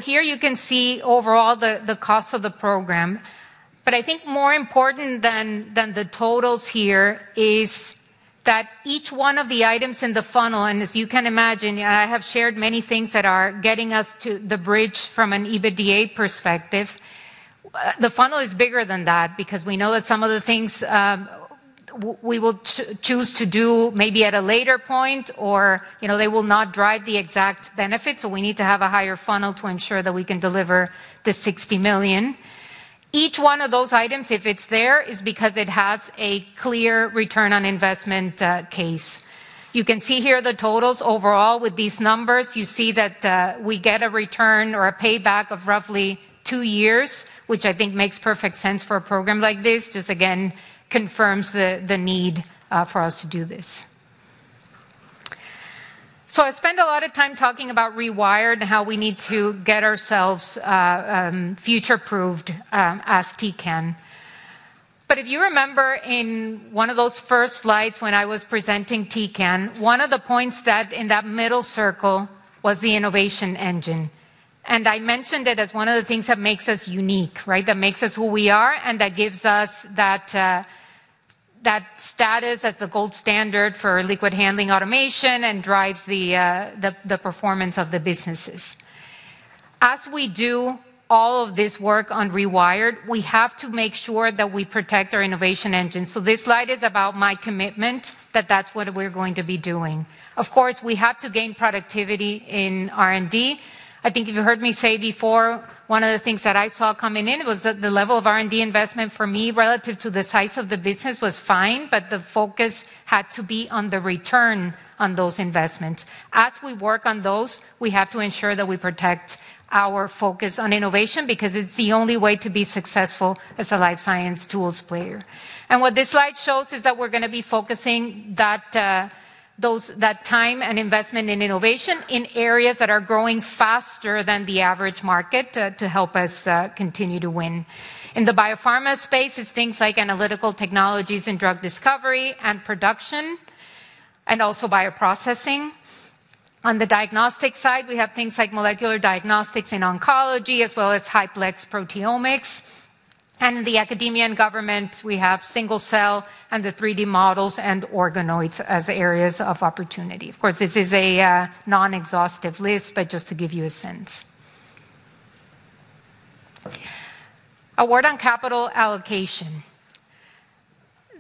Here you can see overall the cost of the program, but I think more important than the totals here is that each one of the items in the funnel, and as you can imagine, I have shared many things that are getting us to the bridge from an EBITDA perspective. The funnel is bigger than that because we know that some of the things, we will choose to do maybe at a later point or, you know, they will not drive the exact benefits. We need to have a higher funnel to ensure that we can deliver the 60 million. Each one of those items, if it's there, is because it has a clear return on investment case. You can see here the totals overall with these numbers. You see that, we get a return or a payback of roughly two years, which I think makes perfect sense for a program like this. Just again, confirms the need for us to do this. I spent a lot of time talking about Rewired and how we need to get ourselves future-proofed as Tecan. If you remember in one of those first slides when I was presenting Tecan, one of the points that in that middle circle was the innovation engine. I mentioned it as one of the things that makes us unique, right? That makes us who we are, and that gives us that status as the gold standard for liquid handling automation and drives the performance of the businesses. As we do all of this work on Rewired, we have to make sure that we protect our innovation engine. This slide is about my commitment that that's what we're going to be doing. Of course, we have to gain productivity in R&D. I think if you heard me say before, one of the things that I saw coming in was that the level of R&D investment for me relative to the size of the business was fine, but the focus had to be on the return on those investments. As we work on those, we have to ensure that we protect our focus on innovation because it's the only way to be successful as a life science tools player. What this slide shows is that we're gonna be focusing that time and investment in innovation in areas that are growing faster than the average market to help us continue to win. In the biopharma space, it's things like analytical technologies and drug discovery and production, and also bioprocessing. On the diagnostic side, we have things like molecular diagnostics and oncology, as well as high-plex proteomics. In the academia and government, we have single cell and the 3-D models and organoids as areas of opportunity. Of course, this is a non-exhaustive list, but just to give you a sense. A word on capital allocation.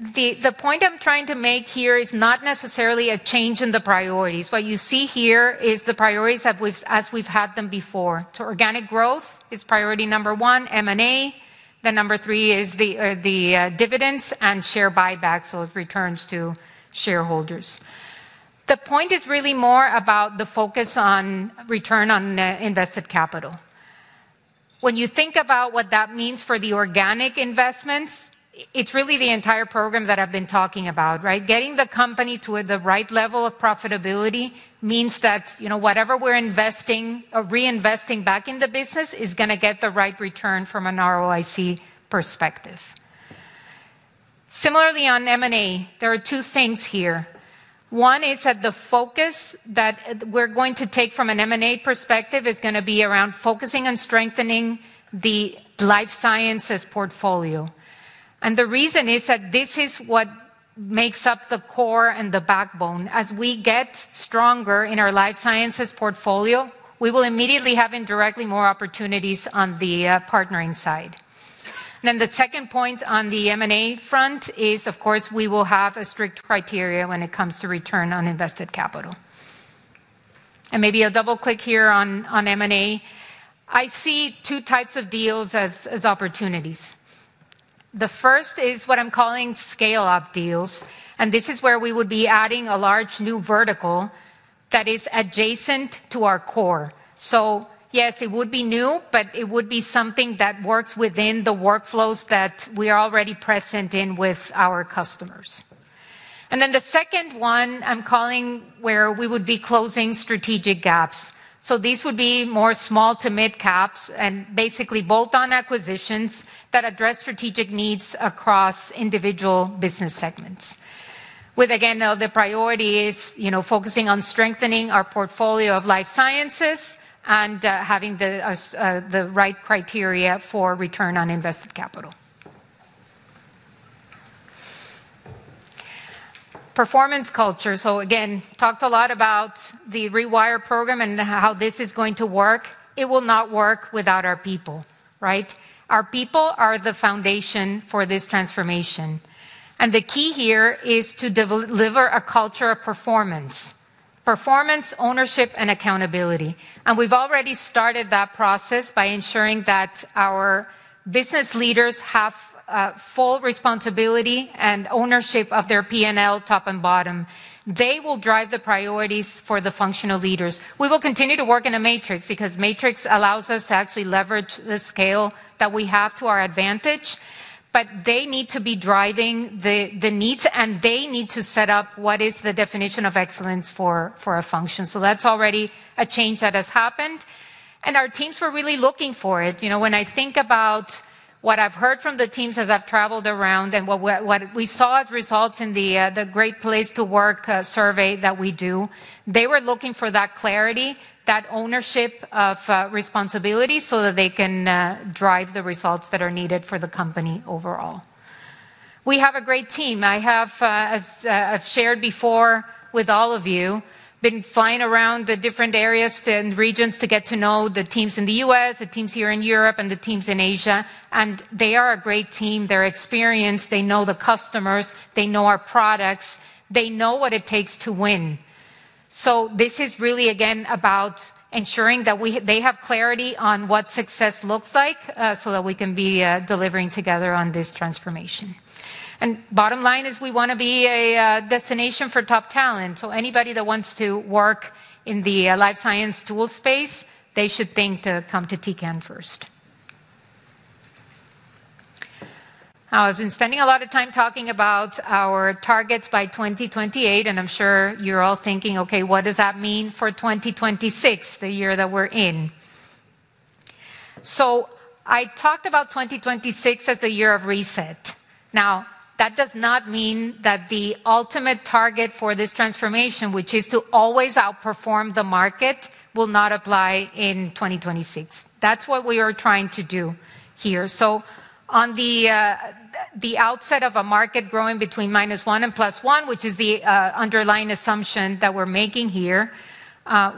The point I'm trying to make here is not necessarily a change in the priorities. What you see here is the priorities we've as we've had them before. Organic growth is priority number one, M&A. Number three is the dividends and share buybacks, so it returns to shareholders. The point is really more about the focus on return on invested capital. When you think about what that means for the organic investments, it's really the entire program that I've been talking about, right? Getting the company to the right level of profitability means that, you know, whatever we're investing or reinvesting back in the business is gonna get the right return from an ROIC perspective. Similarly, on M&A, there are two things here. One is that the focus that we're going to take from an M&A perspective is gonna be around focusing on strengthening the life sciences portfolio. The reason is that this is what makes up the core and the backbone. As we get stronger in our life sciences portfolio, we will immediately have indirectly more opportunities on the partnering side. The second point on the M&A front is, of course, we will have a strict criteria when it comes to return on invested capital. Maybe I'll double-click here on M&A. I see two types of deals as opportunities. The first is what I'm calling scale-up deals, and this is where we would be adding a large new vertical that is adjacent to our core. Yes, it would be new, but it would be something that works within the workflows that we are already present in with our customers. The second one I'm calling where we would be closing strategic gaps. These would be more small to mid caps and basically bolt-on acquisitions that address strategic needs across individual business segments. With again, the priority is, you know, focusing on strengthening our portfolio of life sciences and having the the right criteria for return on invested capital. Performance culture. Again, talked a lot about the Rewire program and how this is going to work. It will not work without our people, right? Our people are the foundation for this transformation. The key here is to deliver a culture of performance. Performance, ownership, and accountability. We've already started that process by ensuring that our business leaders have full responsibility and ownership of their P&L top and bottom. They will drive the priorities for the functional leaders. We will continue to work in a matrix, because matrix allows us to actually leverage the scale that we have to our advantage. They need to be driving the needs, and they need to set up what is the definition of excellence for a function. That's already a change that has happened, and our teams were really looking for it. You know, when I think about what I've heard from the teams as I've traveled around and what we saw as results in the Great Place to Work survey that we do, they were looking for that clarity, that ownership of responsibility so that they can drive the results that are needed for the company overall. We have a great team. I have, I've shared before with all of you, been flying around the different areas and regions to get to know the teams in the U.S., the teams here in Europe, and the teams in Asia, and they are a great team. They're experienced. They know the customers. They know our products. They know what it takes to win. This is really again about ensuring that they have clarity on what success looks like, so that we can be delivering together on this transformation. Bottom line is we wanna be a destination for top talent. Anybody that wants to work in the life science tool space, they should think to come to Tecan first. I've been spending a lot of time talking about our targets by 2028, and I'm sure you're all thinking, "Okay, what does that mean for 2026, the year that we're in?" I talked about 2026 as the year of reset. Now, that does not mean that the ultimate target for this transformation, which is to always outperform the market, will not apply in 2026. That's what we are trying to do here. On the outset of a market growing between -1% and +1%, which is the underlying assumption that we're making here,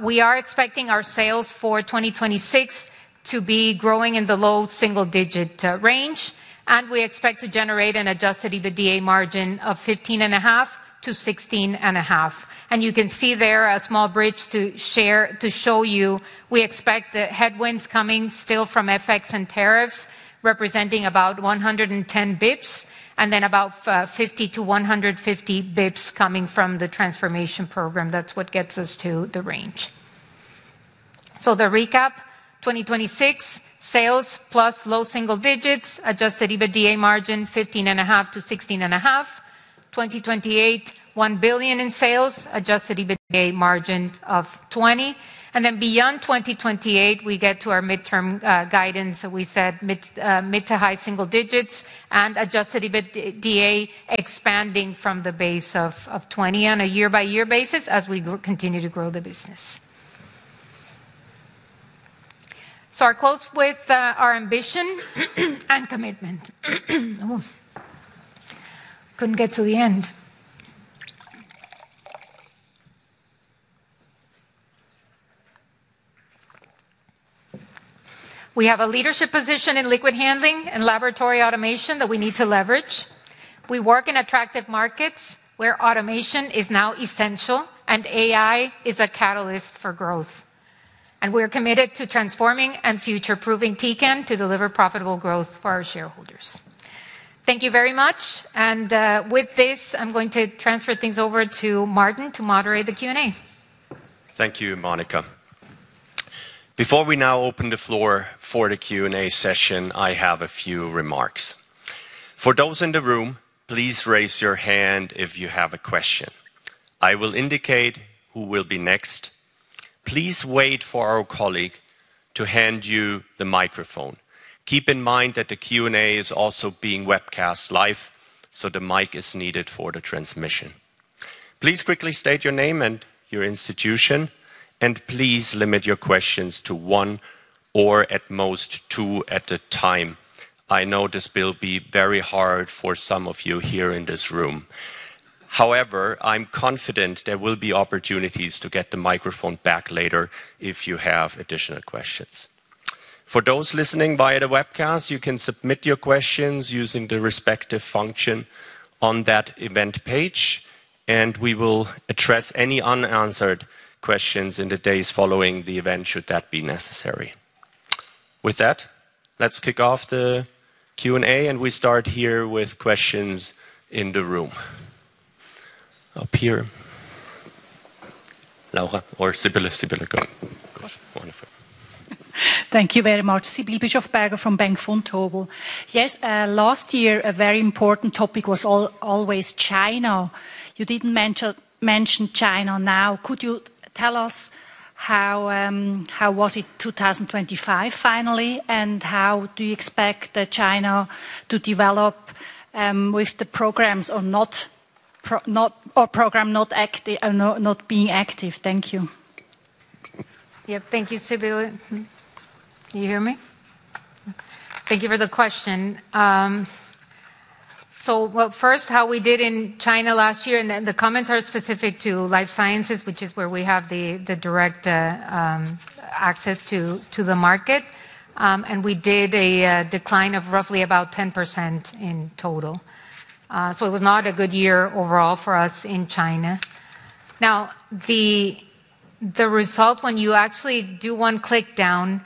we are expecting our sales for 2026 to be growing in the low single-digit% range, and we expect to generate an adjusted EBITDA margin of 15.5%-16.5%. You can see there a small bridge to show you, we expect the headwinds coming still from FX and tariffs representing about 110 basis points and then about 50 to 150 basis points coming from the transformation program. That's what gets us to the range. The recap, 2026, sales plus low single digits, adjusted EBITDA margin 15.5%-16.5%. 2028, 1 billion in sales, adjusted EBITDA margin of 20%. Beyond 2028, we get to our midterm guidance. We said mid to high single digits and adjusted EBITDA expanding from the base of 20% on a year-by-year basis as we continue to grow the business. I close with our ambition and commitment. I couldn't get to the end. We have a leadership position in liquid handling and laboratory automation that we need to leverage. We work in attractive markets where automation is now essential and AI is a catalyst for growth. We're committed to transforming and future-proofing Tecan to deliver profitable growth for our shareholders. Thank you very much. With this, I'm going to transfer things over to Martin to moderate the Q&A. Thank you, Monica. Before we now open the floor for the Q&A session, I have a few remarks. For those in the room, please raise your hand if you have a question. I will indicate who will be next. Please wait for our colleague to hand you the microphone. Keep in mind that the Q&A is also being webcast live, so the mic is needed for the transmission. Please quickly state your name and your institution, and please limit your questions to one or at most two at a time. I know this will be very hard for some of you here in this room. However, I'm confident there will be opportunities to get the microphone back later if you have additional questions. For those listening via the webcast, you can submit your questions using the respective function on that event page, and we will address any unanswered questions in the days following the event should that be necessary. With that, let's kick off the Q&A, and we start here with questions in the room. Up here. Laura or Sibylle. Sibylle, go. Wonderful. Thank you very much. Sibylle Bischofberger from Bank Vontobel. Yes, last year, a very important topic was always China. You didn't mention China now. Could you tell us how was it 2025 finally, and how do you expect China to develop with the programs or not being active? Thank you. Yeah. Thank you, Sibylle. Can you hear me? Okay. Thank you for the question. Well, first, how we did in China last year, and then the comments are specific to life sciences, which is where we have the direct access to the market. We did a decline of roughly about 10% in total. It was not a good year overall for us in China. Now, the result when you actually do one click down,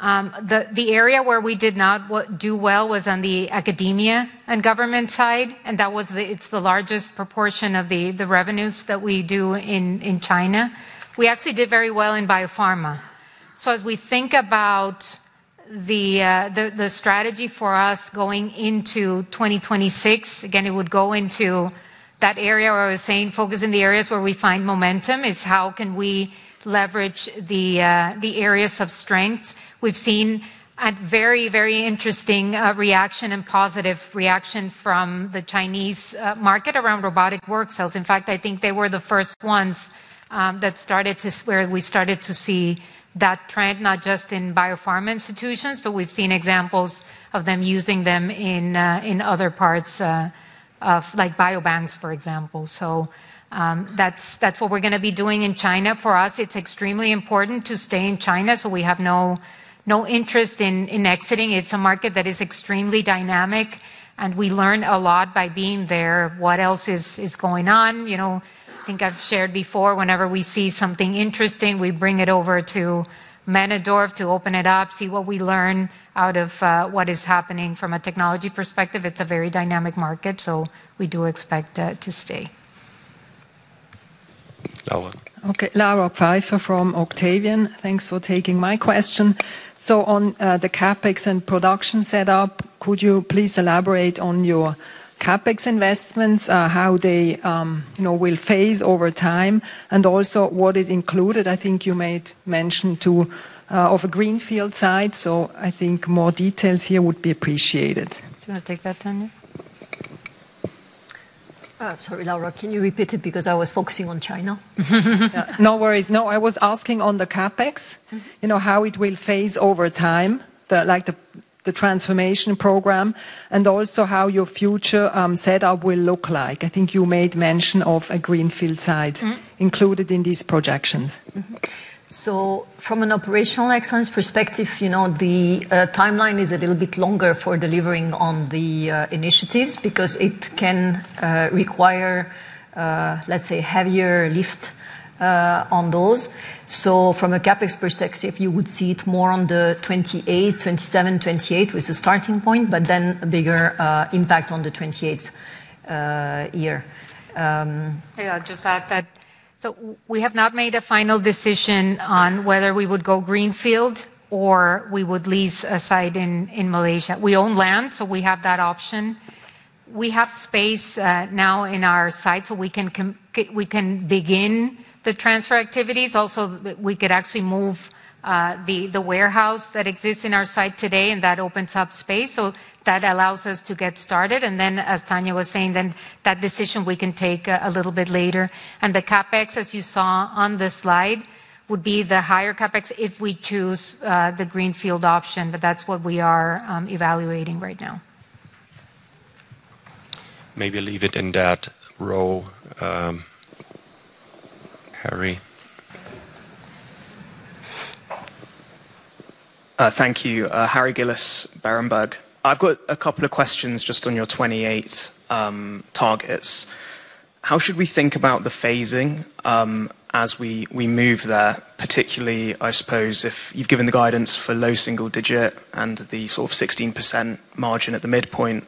the area where we did not do well was on the academia and government side, and that is the largest proportion of the revenues that we do in China. We actually did very well in biopharma. As we think about the strategy for us going into 2026, again, it would go into that area where I was saying focus in the areas where we find momentum, is how can we leverage the areas of strength. We've seen a very, very interesting reaction and positive reaction from the Chinese market around robotic workcells. In fact, I think they were the first ones where we started to see that trend, not just in biopharma institutions, but we've seen examples of them using them in other parts of like biobanks, for example. That's what we're gonna be doing in China. For us, it's extremely important to stay in China, so we have no interest in exiting. It's a market that is extremely dynamic, and we learn a lot by being there, what else is going on. I think I've shared before, whenever we see something interesting, we bring it over to Männedorf to open it up, see what we learn out of what is happening from a technology perspective. It's a very dynamic market, so we do expect to stay. Laura. Okay. Laura Pfeifer from Octavian. Thanks for taking my question. On the CapEx and production setup, could you please elaborate on your CapEx investments, how they, you know, will phase over time, and also what is included? I think you made mention of a greenfield site, so I think more details here would be appreciated. Do you wanna take that, Tania? Sorry, Laura, can you repeat it? Because I was focusing on China. No worries. No, I was asking on the CapEx. Mm-hmm. You know, how it will phase over time, the transformation program, and also how your future setup will look like. I think you made mention of a greenfield site. Mm-hmm. Included in these projections. From an operational excellence perspective, you know, the timeline is a little bit longer for delivering on the initiatives because it can require, let's say, heavier lift on those. From a CapEx perspective, you would see it more on the 2028, 2027, 2028 was the starting point, but then a bigger impact on the 2028 year. May I just add that so we have not made a final decision on whether we would go greenfield or we would lease a site in Malaysia. We own land, so we have that option. We have space now in our site, so we can begin the transfer activities. Also, we could actually move the warehouse that exists in our site today, and that opens up space. That allows us to get started. Then as Tania was saying, then that decision we can take a little bit later. The CapEx, as you saw on the slide, would be the higher CapEx if we choose the greenfield option. That's what we are evaluating right now. Maybe leave it in that row. Harry. Thank you. Harry Gillis, Berenberg. I've got a couple of questions just on your 2028 targets. How should we think about the phasing as we move there, particularly, I suppose, if you've given the guidance for low single-digit % and the sort of 16% margin at the midpoint,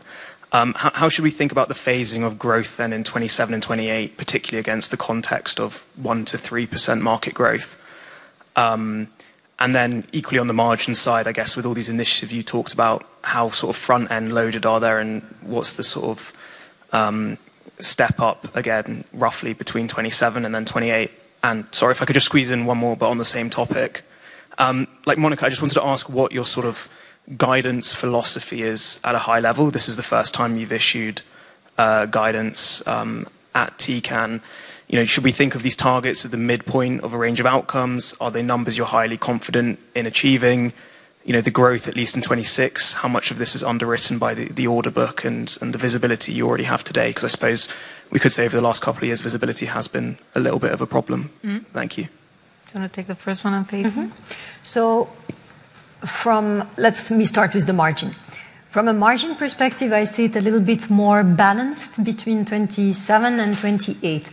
how should we think about the phasing of growth then in 2027 and 2028, particularly against the context of 1%-3% market growth? Then equally on the margin side, I guess with all these initiatives, you talked about how sort of front-end loaded they are and what's the sort of step up again, roughly between 2027 and then 2028? Sorry if I could just squeeze in one more, but on the same topic. Like Monica, I just wanted to ask what your sort of guidance philosophy is at a high level. This is the first time you've issued guidance at Tecan. You know, should we think of these targets at the midpoint of a range of outcomes? Are they numbers you're highly confident in achieving? You know, the growth, at least in 2026, how much of this is underwritten by the order book and the visibility you already have today? Because I suppose we could say over the last couple of years, visibility has been a little bit of a problem. Mm-hmm. Thank you. Do you wanna take the first one on phasing? Let me start with the margin. From a margin perspective, I see it a little bit more balanced between 2027 and 2028.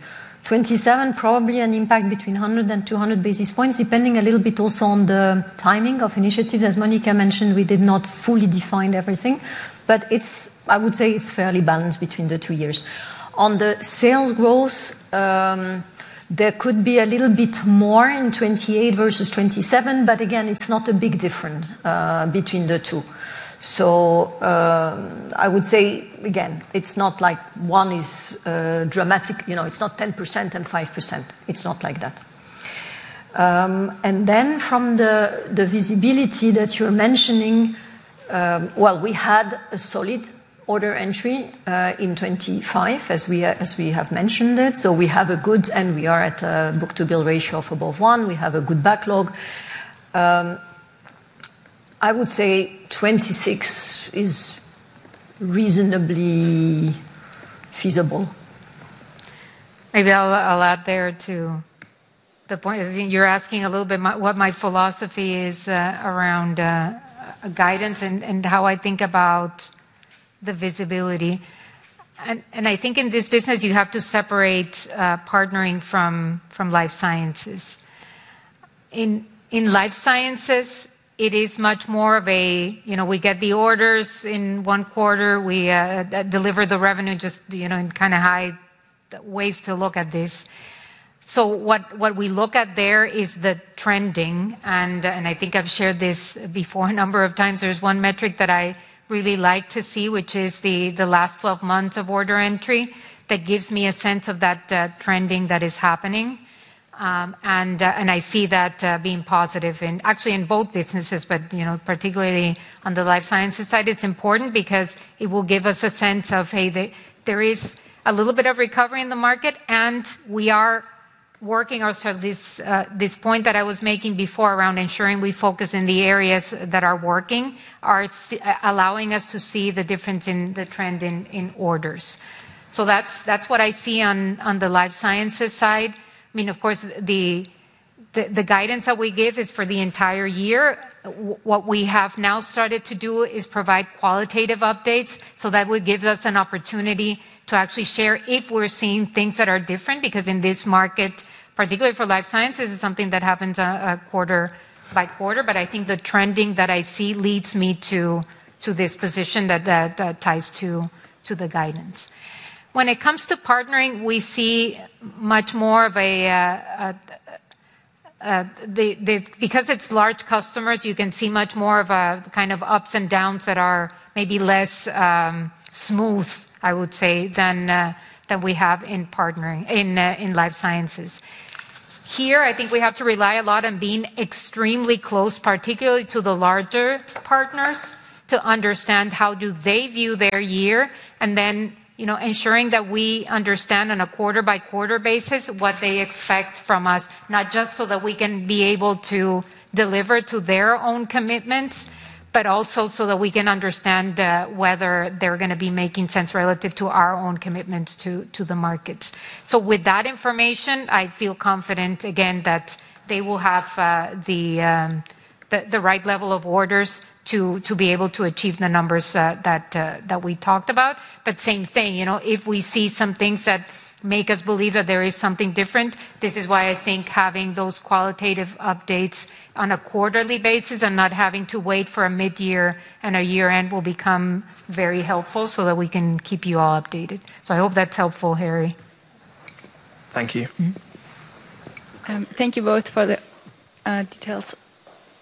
2027, probably an impact between 100 and 200 basis points, depending a little bit also on the timing of initiatives. As Monica mentioned, we did not fully define everything, but I would say it's fairly balanced between the two years. On the sales growth, there could be a little bit more in 2028 versus 2027, but again, it's not a big difference between the two. I would say again, it's not like one is dramatic. You know, it's not 10% and 5%. It's not like that. From the visibility that you're mentioning, well, we had a solid order entry in 2025 as we have mentioned it, so we have a good book and we are at a book-to-bill ratio above one. We have a good backlog. I would say 2026 is reasonably feasible. Maybe I'll add there too. The point is you're asking a little bit what my philosophy is around guidance and how I think about the visibility. I think in this business, you have to separate Partnering from Life Sciences. In Life Sciences, it is much more of a, you know, we get the orders in one quarter, we deliver the revenue just, you know, in kind of high-level ways to look at this. What we look at there is the trending and I think I've shared this before a number of times. There's one metric that I really like to see, which is the last 12 months of order entry that gives me a sense of that trending that is happening. I see that being positive actually in both businesses, but you know, particularly on the life sciences side, it's important because it will give us a sense of, hey, there is a little bit of recovery in the market, and we are working ourselves. This point that I was making before around ensuring we focus in the areas that are working are allowing us to see the difference in the trend in orders. That's what I see on the life sciences side. I mean, of course, the guidance that we give is for the entire year. What we have now started to do is provide qualitative updates, so that would give us an opportunity to actually share if we're seeing things that are different. In this market, particularly for life sciences, it's something that happens quarter by quarter. I think the trending that I see leads me to this position that ties to the guidance. When it comes to partnering, because it's large customers, you can see much more of a kind of ups and downs that are maybe less smooth, I would say, than we have in partnering in life sciences. Here, I think we have to rely a lot on being extremely close, particularly to the larger partners, to understand how do they view their year, and then, you know, ensuring that we understand on a quarter-by-quarter basis what they expect from us, not just so that we can be able to deliver to their own commitments, but also so that we can understand whether they're gonna be making sense relative to our own commitments to the markets. With that information, I feel confident again that they will have the right level of orders to be able to achieve the numbers that we talked about. Same thing, you know, if we see some things that make us believe that there is something different, this is why I think having those qualitative updates on a quarterly basis and not having to wait for a mid-year and a year-end will become very helpful so that we can keep you all updated. I hope that's helpful, Harry. Thank you. Mm-hmm. Thank you both for the details.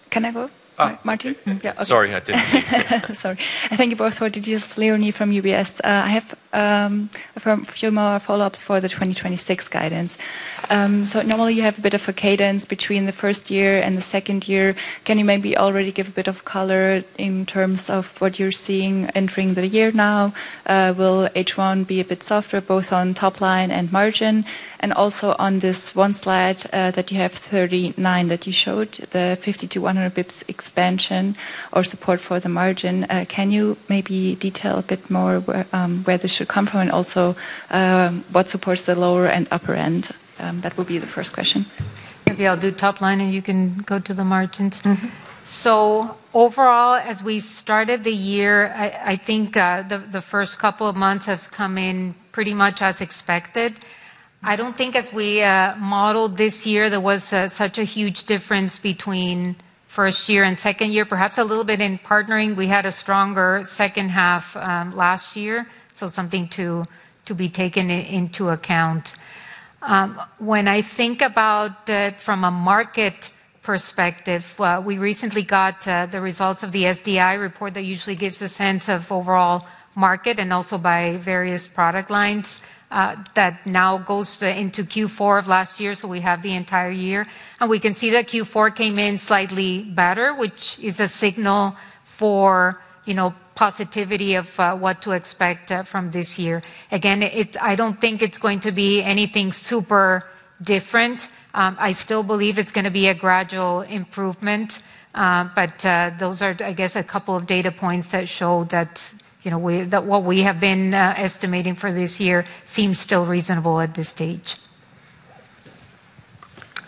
Can I go? Oh. Martin? Yeah. Okay. Sorry, I didn't see you. Sorry. Thank you both for details. Leonie from UBS. I have a few more follow-ups for the 2026 guidance. Normally you have a bit of a cadence between the first year and the second year. Can you maybe already give a bit of color in terms of what you're seeing entering the year now? Will H1 be a bit softer, both on top line and margin? Also on this one slide that you have 39 that you showed, the 50-100 BPS expansion or support for the margin, can you maybe detail a bit more where this should come from? Also, what supports the lower and upper end? That will be the first question. Maybe I'll do top line and you can go to the margins. Mm-hmm. Overall, as we started the year, I think the first couple of months have come in pretty much as expected. I don't think as we modeled this year, there was such a huge difference between first year and second year. Perhaps a little bit in partnering. We had a stronger second half last year, so something to be taken into account. When I think about it from a market perspective, we recently got the results of the SDI report that usually gives a sense of overall market and also by various product lines, that now goes into Q4 of last year, so we have the entire year. We can see that Q4 came in slightly better, which is a signal for positivity of what to expect from this year. Again, I don't think it's going to be anything super different. I still believe it's gonna be a gradual improvement, but those are, I guess, a couple of data points that show that, you know, that what we have been estimating for this year seems still reasonable at this stage.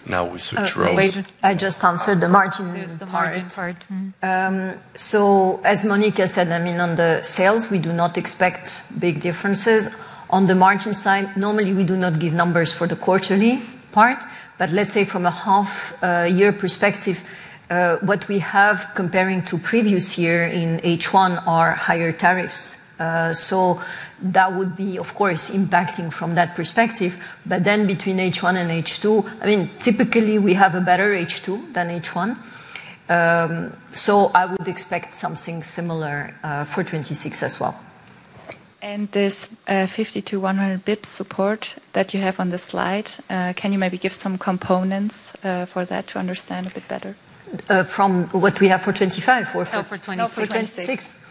Now we switch roles. Okay. I just answered the margin part. There's the margin part. Mm-hmm. As Monica said, I mean, on the sales, we do not expect big differences. On the margin side, normally we do not give numbers for the quarterly part, but let's say from a half-year perspective, what we have comparing to previous year in H1 are higher tariffs. That would be, of course, impacting from that perspective. Between H1 and H2, I mean, typically we have a better H2 than H1. I would expect something similar for 2026 as well. This 50-100 basis points support that you have on the slide, can you maybe give some components for that to understand a bit better? From what we have for 2025. No, for 26. For 26.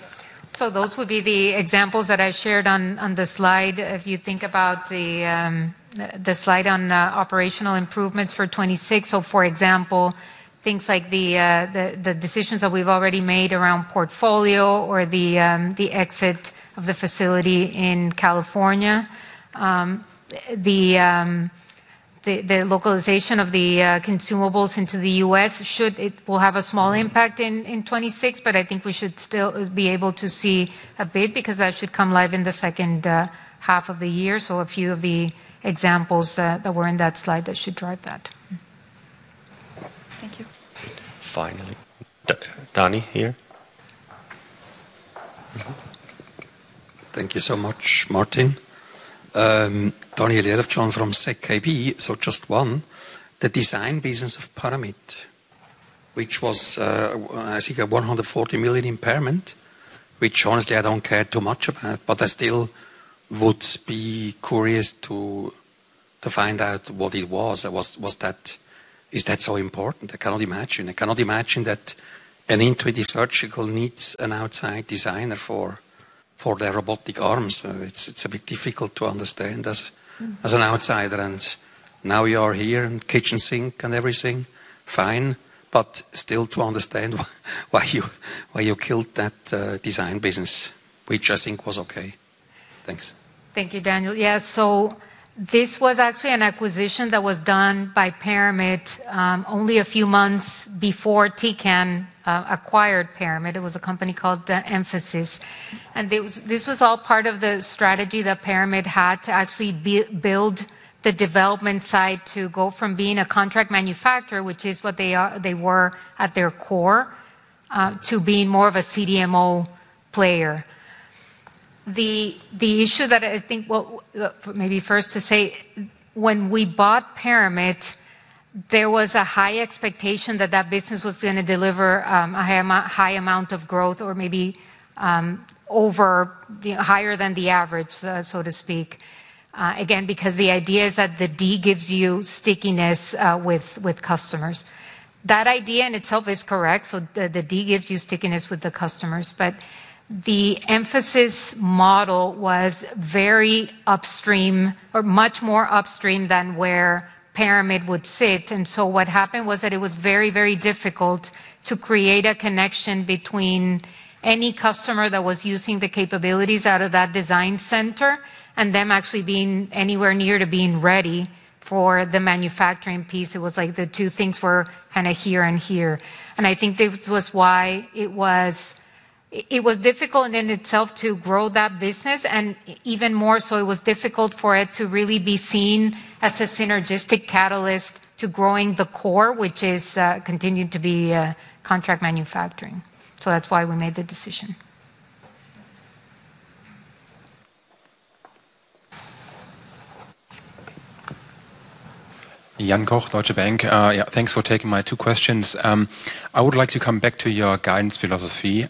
Those would be the examples that I shared on the slide. If you think about the slide on operational improvements for 2026. For example, things like the decisions that we've already made around portfolio or the exit of the facility in California. The localization of the consumables into the US should, it will have a small impact in 2026, but I think we should still be able to see a bit because that should come live in the second half of the year. A few of the examples that were in that slide that should drive that. Thank you. Finally. Daniel here. Thank you so much, Martin. Daniel Jelovcan from ZKB. Just one. The design business of Paramit, which was, I think a 140 million impairment, which honestly I don't care too much about, but I still would be curious to find out what it was. Was that so important? I cannot imagine that Intuitive Surgical needs an outside designer for their robotic arms. It's a bit difficult to understand as an outsider. Now you are here in kitchen sink and everything, fine, but still to understand why you killed that design business, which I think was okay. Thanks. Thank you, Daniel. Yeah, this was actually an acquisition that was done by Paramit only a few months before Tecan acquired Paramit. It was a company called the Emphysys. This was all part of the strategy that Paramit had to actually build the development side to go from being a contract manufacturer, which is what they were at their core, to being more of a CDMO player. The issue that I think, maybe first to say, when we bought Paramit, there was a high expectation that that business was gonna deliver a high amount of growth or maybe higher than the average, so to speak. Again, because the idea is that the D gives you stickiness with customers. That idea in itself is correct, so the D gives you stickiness with the customers. The Synergence model was very upstream or much more upstream than where Paramit would sit. What happened was that it was very, very difficult to create a connection between any customer that was using the capabilities out of that design center and them actually being anywhere near to being ready for the manufacturing piece. It was like the two things were kinda here and here. I think this was why it was difficult in itself to grow that business, and even more so it was difficult for it to really be seen as a synergistic catalyst to growing the core, which is continued to be contract manufacturing. That's why we made the decision. Jan Koch, Deutsche Bank. Yeah, thanks for taking my two questions. I would like to come back to your guidance philosophy.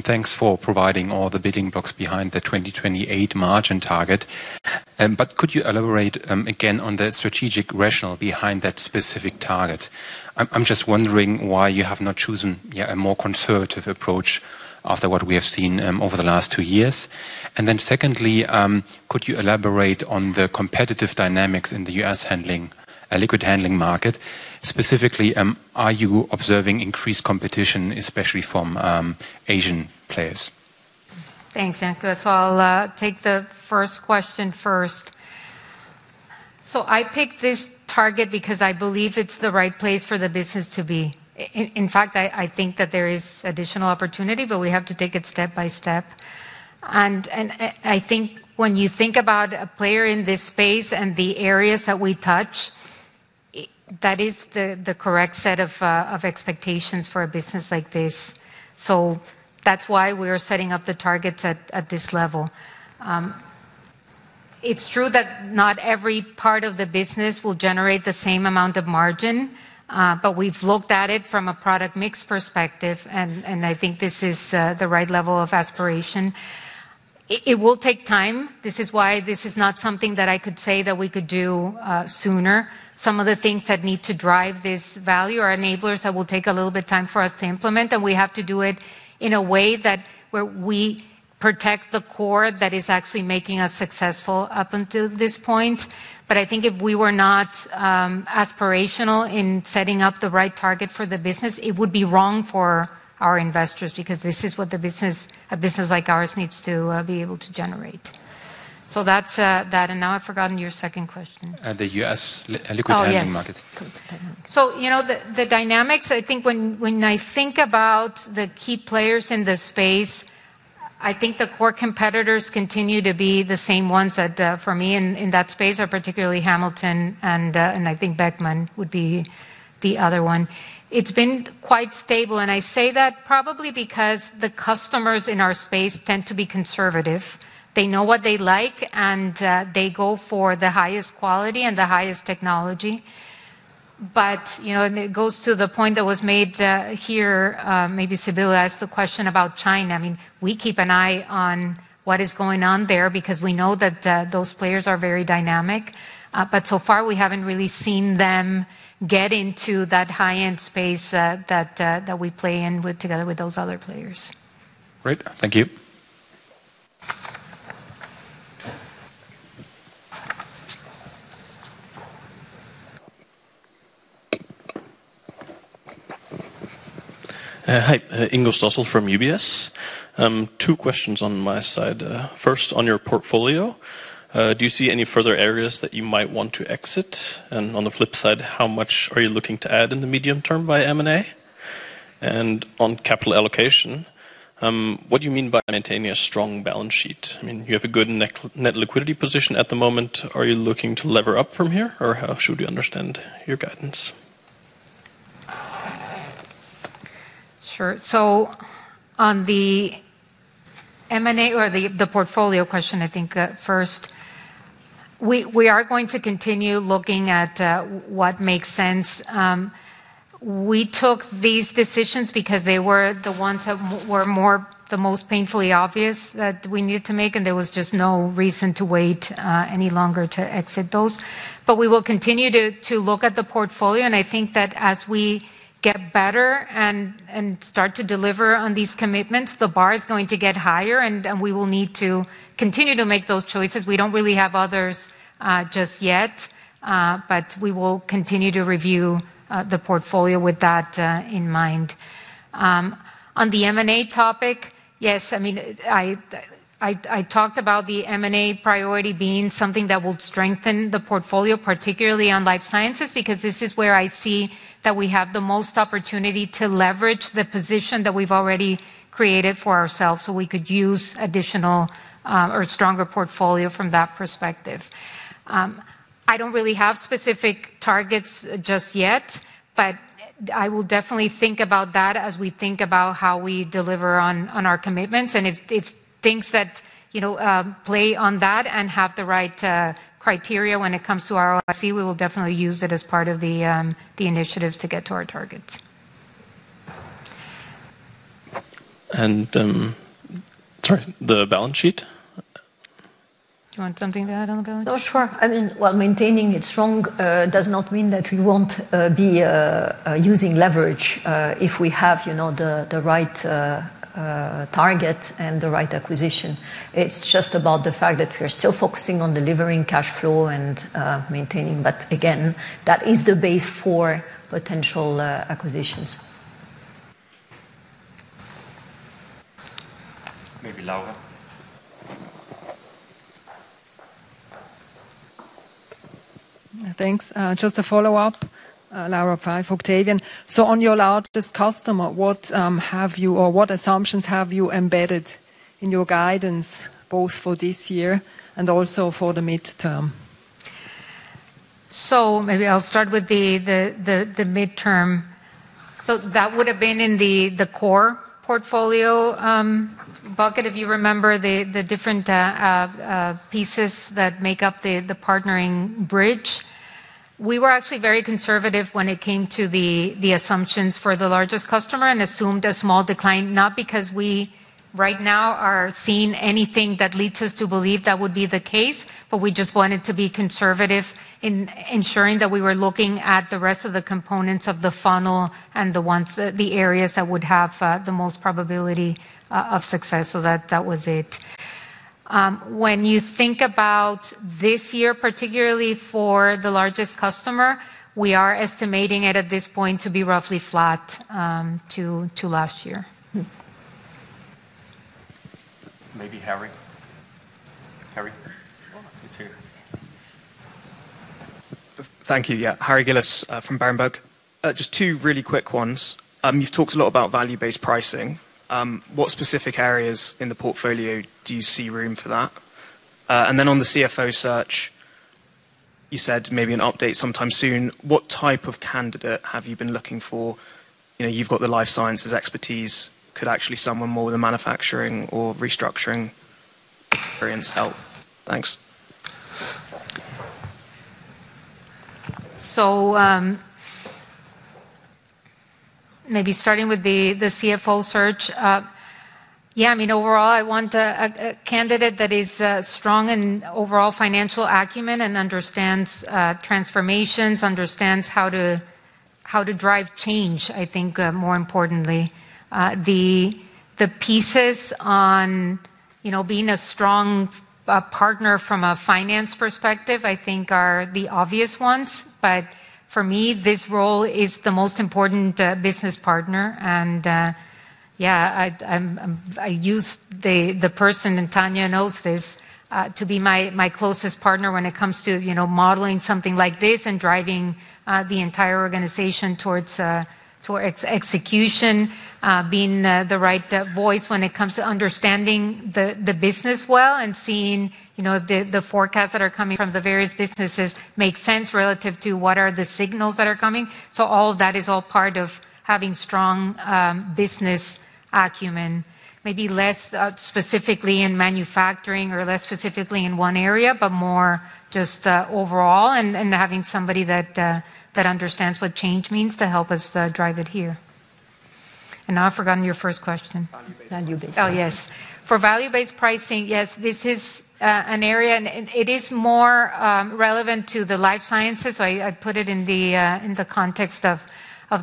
Thanks for providing all the building blocks behind the 2028 margin target. Could you elaborate again on the strategic rationale behind that specific target? I'm just wondering why you have not chosen, yeah, a more conservative approach after what we have seen over the last two years. Secondly, could you elaborate on the competitive dynamics in the U.S. liquid handling market? Specifically, are you observing increased competition, especially from Asian players? Thanks, Jan. I'll take the first question first. I picked this target because I believe it's the right place for the business to be. In fact, I think that there is additional opportunity, but we have to take it step by step. I think when you think about a player in this space and the areas that we touch, that is the correct set of expectations for a business like this. That's why we are setting up the targets at this level. It's true that not every part of the business will generate the same amount of margin, but we've looked at it from a product mix perspective, and I think this is the right level of aspiration. It will take time. This is why this is not something that I could say that we could do sooner. Some of the things that need to drive this value are enablers that will take a little bit of time for us to implement, and we have to do it in a way that where we protect the core that is actually making us successful up until this point. I think if we were not aspirational in setting up the right target for the business, it would be wrong for our investors, because this is what the business, a business like ours needs to be able to generate. That's that. Now I've forgotten your second question. Uh, the US li- Oh, yes. Liquid handling market. You know, the dynamics, I think when I think about the key players in this space, I think the core competitors continue to be the same ones that for me in that space are particularly Hamilton and I think Beckman would be the other one. It's been quite stable, and I say that probably because the customers in our space tend to be conservative. They know what they like, and they go for the highest quality and the highest technology. You know, it goes to the point that was made here, maybe Sibylle asked the question about China. I mean, we keep an eye on what is going on there because we know that those players are very dynamic. So far we haven't really seen them get into that high-end space that we play in with, together with those other players. Great. Thank you. Hi, Ingo Stössel from UBS. Two questions on my side. First, on your portfolio, do you see any further areas that you might want to exit? On the flip side, how much are you looking to add in the medium term via M&A? On capital allocation, what do you mean by maintaining a strong balance sheet? I mean, you have a good net liquidity position at the moment. Are you looking to lever up from here, or how should we understand your guidance? Sure. On the M&A or the portfolio question, I think first, we are going to continue looking at what makes sense. We took these decisions because they were the ones that were the most painfully obvious that we needed to make, and there was just no reason to wait any longer to exit those. We will continue to look at the portfolio, and I think that as we get better and start to deliver on these commitments, the bar is going to get higher, and we will need to continue to make those choices. We don't really have others just yet, but we will continue to review the portfolio with that in mind. On the M&A topic, yes, I mean, I talked about the M&A priority being something that will strengthen the portfolio, particularly on life sciences, because this is where I see that we have the most opportunity to leverage the position that we've already created for ourselves, so we could use additional, or stronger portfolio from that perspective. I don't really have specific targets just yet, but I will definitely think about that as we think about how we deliver on our commitments. If things that, you know, play on that and have the right criteria when it comes to ROIC, we will definitely use it as part of the initiatives to get to our targets. Sorry, the balance sheet? Do you want something to add on balance sheet? No, sure. I mean, while maintaining it strong does not mean that we won't be using leverage if we have, you know, the right target and the right acquisition. It's just about the fact that we are still focusing on delivering cash flow and maintaining. Again, that is the base for potential acquisitions. Maybe Laura. Thanks. Just a follow-up, Laura Pfeifer, Octavian. On your largest customer, what have you or what assumptions have you embedded in your guidance, both for this year and also for the midterm? Maybe I'll start with the midterm. That would have been in the core portfolio bucket, if you remember the different pieces that make up the partnering bridge. We were actually very conservative when it came to the assumptions for the largest customer and assumed a small decline, not because we right now are seeing anything that leads us to believe that would be the case, but we just wanted to be conservative in ensuring that we were looking at the rest of the components of the funnel and the ones that, the areas that would have the most probability of success. That was it. When you think about this year, particularly for the largest customer, we are estimating it at this point to be roughly flat to last year. Maybe Harry. Harry? He's here. Thank you. Yeah. Harry Gillis from Berenberg. Just two really quick ones. You've talked a lot about value-based pricing. What specific areas in the portfolio do you see room for that? And then on the CFO search, you said maybe an update sometime soon. What type of candidate have you been looking for? You know, you've got the life sciences expertise. Could actually someone more with a manufacturing or restructuring experience help? Thanks. Maybe starting with the CFO search. I mean, overall, I want a candidate that is strong in overall financial acumen and understands transformations, understands how to drive change, I think, more importantly. The pieces on, you know, being a strong partner from a finance perspective, I think are the obvious ones. For me, this role is the most important business partner. I use the person, and Tania knows this, to be my closest partner when it comes to, you know, modeling something like this and driving the entire organization towards execution, being the right voice when it comes to understanding the business well and seeing, you know, the forecasts that are coming from the various businesses make sense relative to what are the signals that are coming. All of that is all part of having strong business acumen, maybe less specifically in manufacturing or less specifically in one area, but more just overall and having somebody that understands what change means to help us drive it here. Now I've forgotten your first question. Value-based pricing. Value-based pricing. Oh, yes. For value-based pricing, yes, this is an area and it is more relevant to the life sciences. I put it in the context of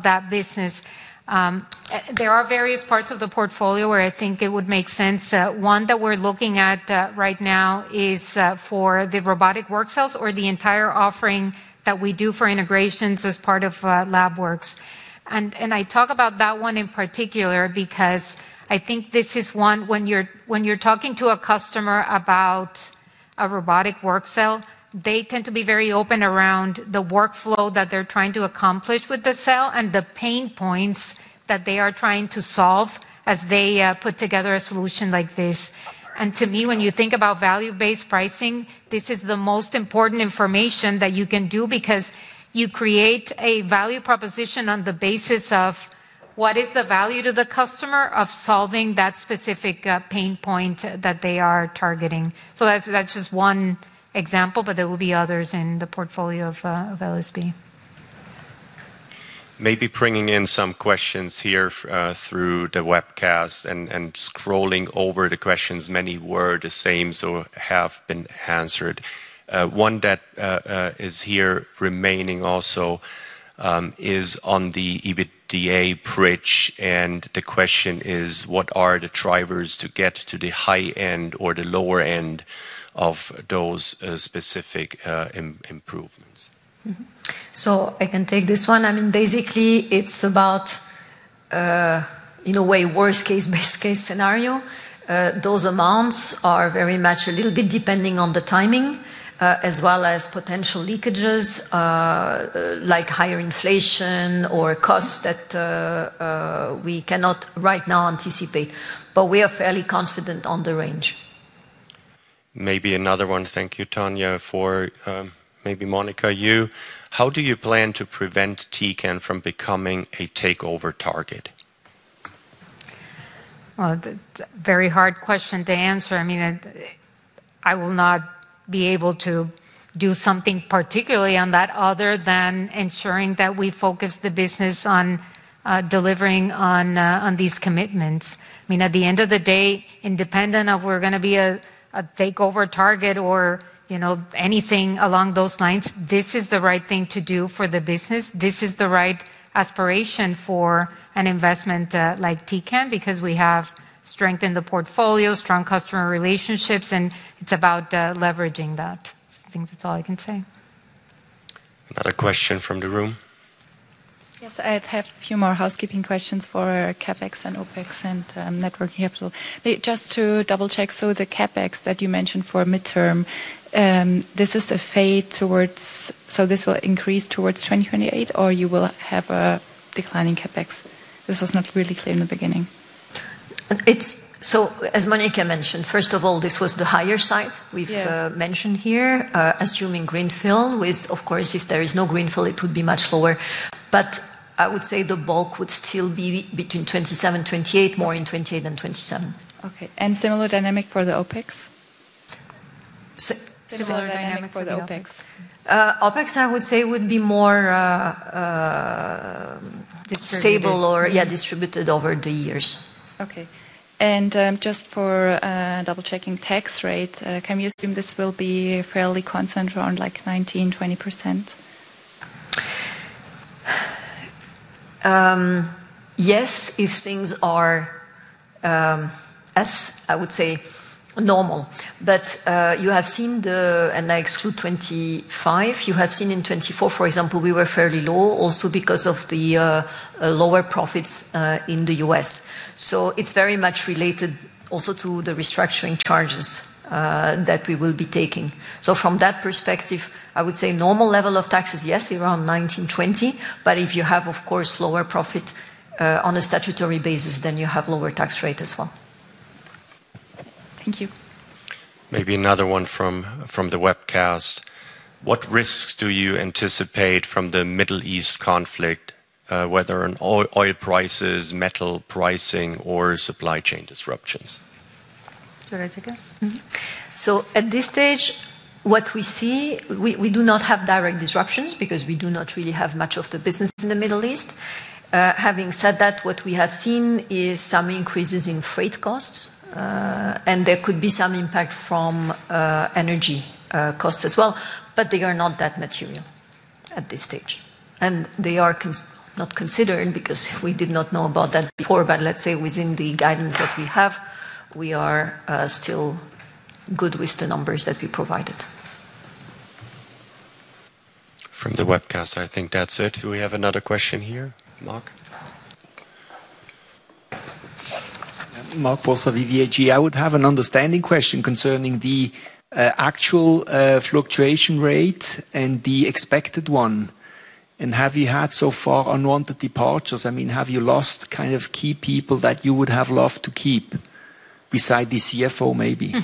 that business. There are various parts of the portfolio where I think it would make sense. One that we're looking at right now is for the robotic workcells or the entire offering that we do for integrations as part of Labwerx. I talk about that one in particular because I think this is one when you're talking to a customer about a robotic workcell, they tend to be very open around the workflow that they're trying to accomplish with the cell and the pain points that they are trying to solve as they put together a solution like this. To me, when you think about value-based pricing, this is the most important information that you can do because you create a value proposition on the basis of what is the value to the customer of solving that specific pain point that they are targeting. That's just one example, but there will be others in the portfolio of LSB. Maybe bringing in some questions here through the webcast and scrolling over the questions. Many were the same, so have been answered. One that is here remaining also is on the EBITDA bridge, and the question is: What are the drivers to get to the high end or the lower end of those specific improvements? Mm-hmm. I can take this one. I mean, basically, it's about, in a way, worst-case, best-case scenario. Those amounts are very much a little bit depending on the timing, as well as potential leakages, like higher inflation or costs that we cannot right now anticipate. We are fairly confident on the range. Maybe another one. Thank you, Tania, for... Maybe Monica, you. How do you plan to prevent Tecan from becoming a takeover target? Well, that's a very hard question to answer. I mean, I will not be able to do something particularly on that other than ensuring that we focus the business on delivering on these commitments. I mean, at the end of the day, independent of we're gonna be a takeover target or, you know, anything along those lines, this is the right thing to do for the business. This is the right aspiration for an investment like Tecan because we have strength in the portfolio, strong customer relationships, and it's about leveraging that. I think that's all I can say. Another question from the room. Yes. I have a few more housekeeping questions for CapEx and OpEx and net working capital. Just to double-check, the CapEx that you mentioned for midterm, this will increase towards 2028 or you will have a decline in CapEx? This was not really clear in the beginning. As Monica mentioned, first of all, this was the higher side. Yeah. We've mentioned here, assuming greenfield. Of course, if there is no greenfield, it would be much lower. I would say the bulk would still be between 2027, 2028, more in 2028 than 2027. Okay. Similar dynamic for the OpEx? S- Similar dynamic for the OpEx. Similar dynamic for the OpEx. OpEx, I would say, would be more. Distributed. Stable or yeah, distributed over the years. Okay. Just for double-checking tax rate, can we assume this will be fairly constant around like 19%-20%? Yes, if things are, as I would say, normal. You have seen. I exclude 25. You have seen in 2024, for example, we were fairly low also because of the lower profits in the U.S. It's very much related also to the restructuring charges that we will be taking. From that perspective, I would say normal level of taxes, yes, around 19%-20%. If you have, of course, lower profit on a statutory basis, then you have lower tax rate as well. Thank you. Maybe another one from the webcast. What risks do you anticipate from the Middle East conflict, whether in oil prices, metal pricing or supply chain disruptions? Should I take it? At this stage what we see, we do not have direct disruptions because we do not really have much of the business in the Middle East. Having said that, what we have seen is some increases in freight costs, and there could be some impact from energy costs as well, but they are not that material at this stage. They are not considered because we did not know about that before. Let's say within the guidance that we have, we are still good with the numbers that we provided. From the webcast, I think that's it. Do we have another question here? Mark? I would have an understanding question concerning the actual fluctuation rate and the expected one. Have you had so far unwanted departures? I mean, have you lost kind of key people that you would have loved to keep besides the CFO maybe?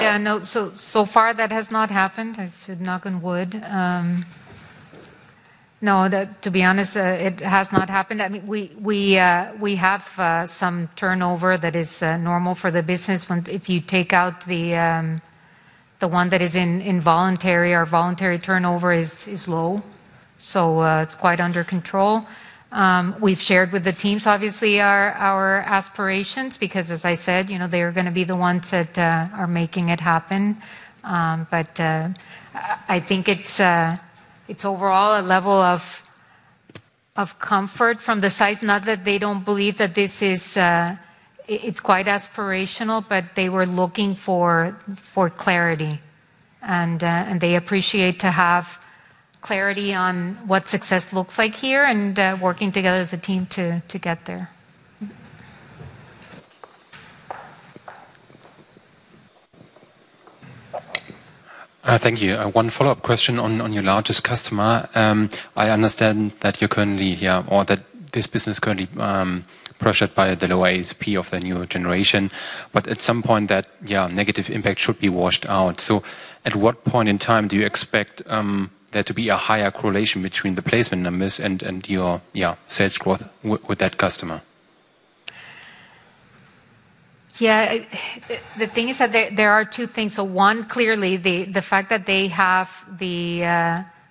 Yeah. No. So far that has not happened. I should knock on wood. No. To be honest, it has not happened. I mean, we have some turnover that is normal for the business. If you take out the one that is involuntary, voluntary turnover is low. It's quite under control. We've shared with the teams obviously our aspirations because as I said, you know, they're gonna be the ones that are making it happen. I think it's overall a level of comfort from the size. Not that they don't believe that this is, it's quite aspirational, but they were looking for clarity, and they appreciate to have clarity on what success looks like here and working together as a team to get there. Thank you. One follow-up question on your largest customer. I understand that this business is currently pressured by the lower ASP of the newer generation, but at some point that negative impact should be washed out. At what point in time do you expect there to be a higher correlation between the placement numbers and your sales growth with that customer? Yeah. The thing is that there are two things. One, clearly the fact that they have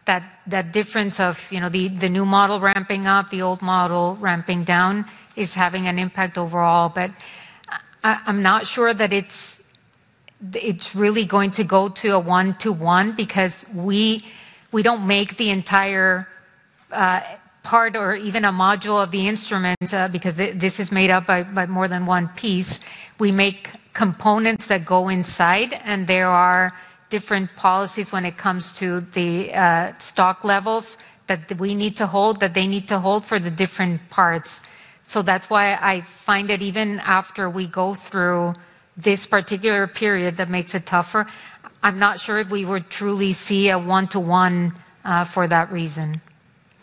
that difference of, you know, the new model ramping up, the old model ramping down is having an impact overall. I'm not sure that it's really going to go to a one-to-one because we don't make the entire part or even a module of the instrument, because this is made up by more than one piece. We make components that go inside, and there are different policies when it comes to the stock levels that we need to hold, that they need to hold for the different parts. That's why I find that even after we go through this particular period that makes it tougher, I'm not sure if we would truly see a one-to-one for that reason.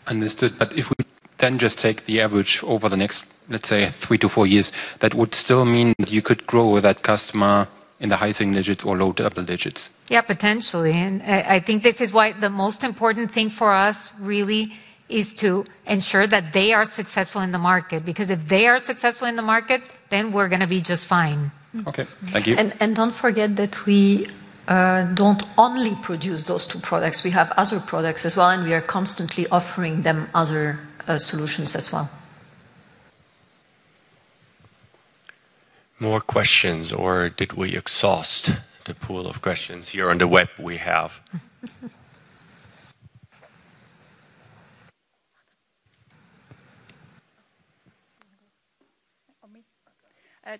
Understood. If we then just take the average over the next, let's say, 3-4 years, that would still mean you could grow with that customer in the high single digits or low double digits. Yeah, potentially. I think this is why the most important thing for us really is to ensure that they are successful in the market. Because if they are successful in the market, then we're gonna be just fine. Okay. Thank you. Don't forget that we don't only produce those two products. We have other products as well, and we are constantly offering them other solutions as well. More questions, or did we exhaust the pool of questions here on the web we have?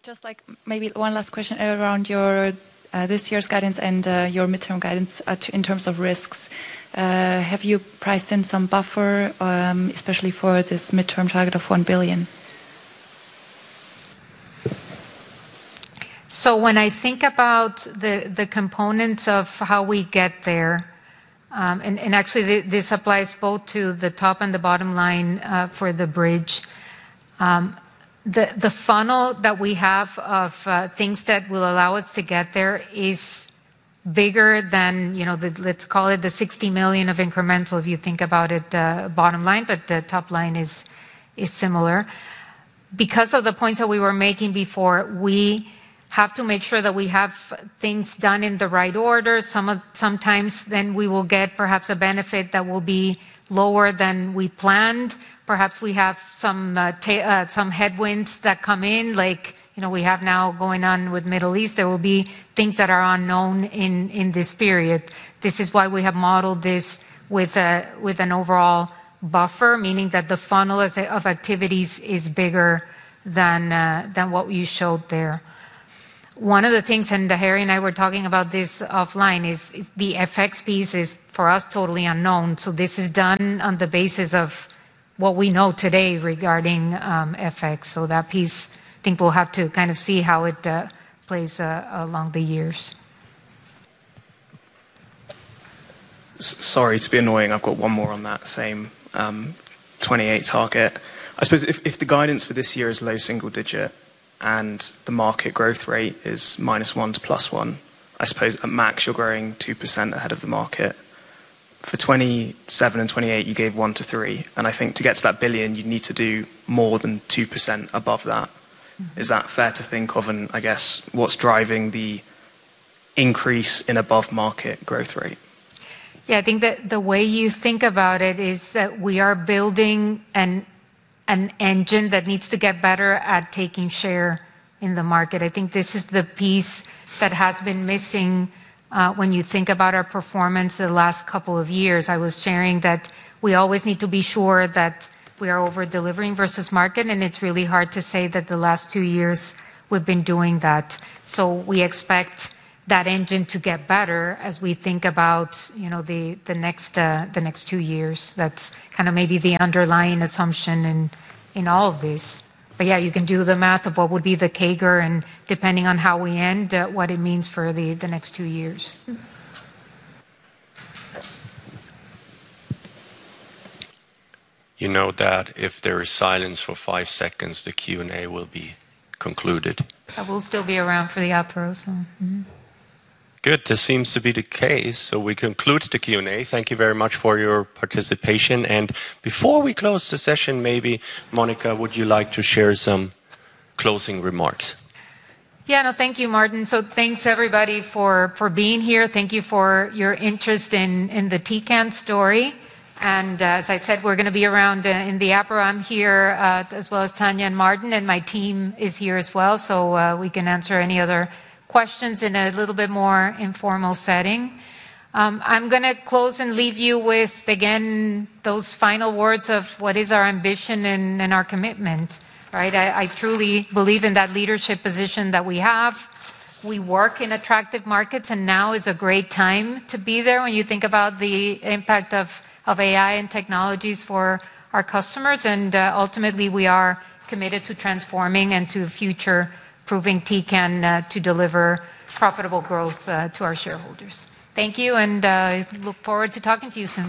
Just like maybe one last question around your this year's guidance and your midterm guidance in terms of risks. Have you priced in some buffer, especially for this midterm target of 1 billion? When I think about the components of how we get there, and actually this applies both to the top and the bottom line for the bridge. The funnel that we have of things that will allow us to get there is bigger than you know, let's call it the 60 million of incremental, if you think about it, bottom line, but the top line is similar. Because of the points that we were making before, we have to make sure that we have things done in the right order. Sometimes then we will get perhaps a benefit that will be lower than we planned. Perhaps we have some headwinds that come in like you know, we have now going on with Middle East. There will be things that are unknown in this period. This is why we have modeled this with an overall buffer, meaning that the funnel of activities is bigger than what you showed there. One of the things, and Harry and I were talking about this offline, is the FX piece for us, totally unknown. This is done on the basis of what we know today regarding FX. That piece, I think we'll have to kind of see how it plays along the years. Sorry to be annoying. I've got one more on that same 2028 target. I suppose if the guidance for this year is low single digit and the market growth rate is -1%-+1%, I suppose at max you're growing 2% ahead of the market. For 2027 and 2028, you gave 1%-3%, and I think to get to that 1 billion you'd need to do more than 2% above that. Is that fair to think of? I guess what's driving the increase in above market growth rate? Yeah. I think the way you think about it is that we are building an engine that needs to get better at taking share in the market. I think this is the piece that has been missing, when you think about our performance the last couple of years. I was sharing that we always need to be sure that we are over-delivering versus market, and it's really hard to say that the last two years we've been doing that. We expect that engine to get better as we think about, you know, the next two years. That's kinda maybe the underlying assumption in all of this. Yeah, you can do the math of what would be the CAGR, and depending on how we end, what it means for the next two years. You know that if there is silence for five seconds, the Q&A will be concluded. I will still be around for the apéro, so. Mm-hmm. Good. This seems to be the case, so we conclude the Q&A. Thank you very much for your participation. Before we close the session, maybe, Monica, would you like to share some closing remarks? Yeah. No, thank you, Martin. Thanks everybody for being here. Thank you for your interest in the Tecan story. As I said, we're gonna be around in the apéro. I'm here as well as Tania and Martin, and my team is here as well. We can answer any other questions in a little bit more informal setting. I'm gonna close and leave you with, again, those final words of what is our ambition and our commitment, right? I truly believe in that leadership position that we have. We work in attractive markets, and now is a great time to be there when you think about the impact of AI and technologies for our customers. Ultimately, we are committed to transforming and to future-proofing Tecan to deliver profitable growth to our shareholders. Thank you, and I look forward to talking to you soon.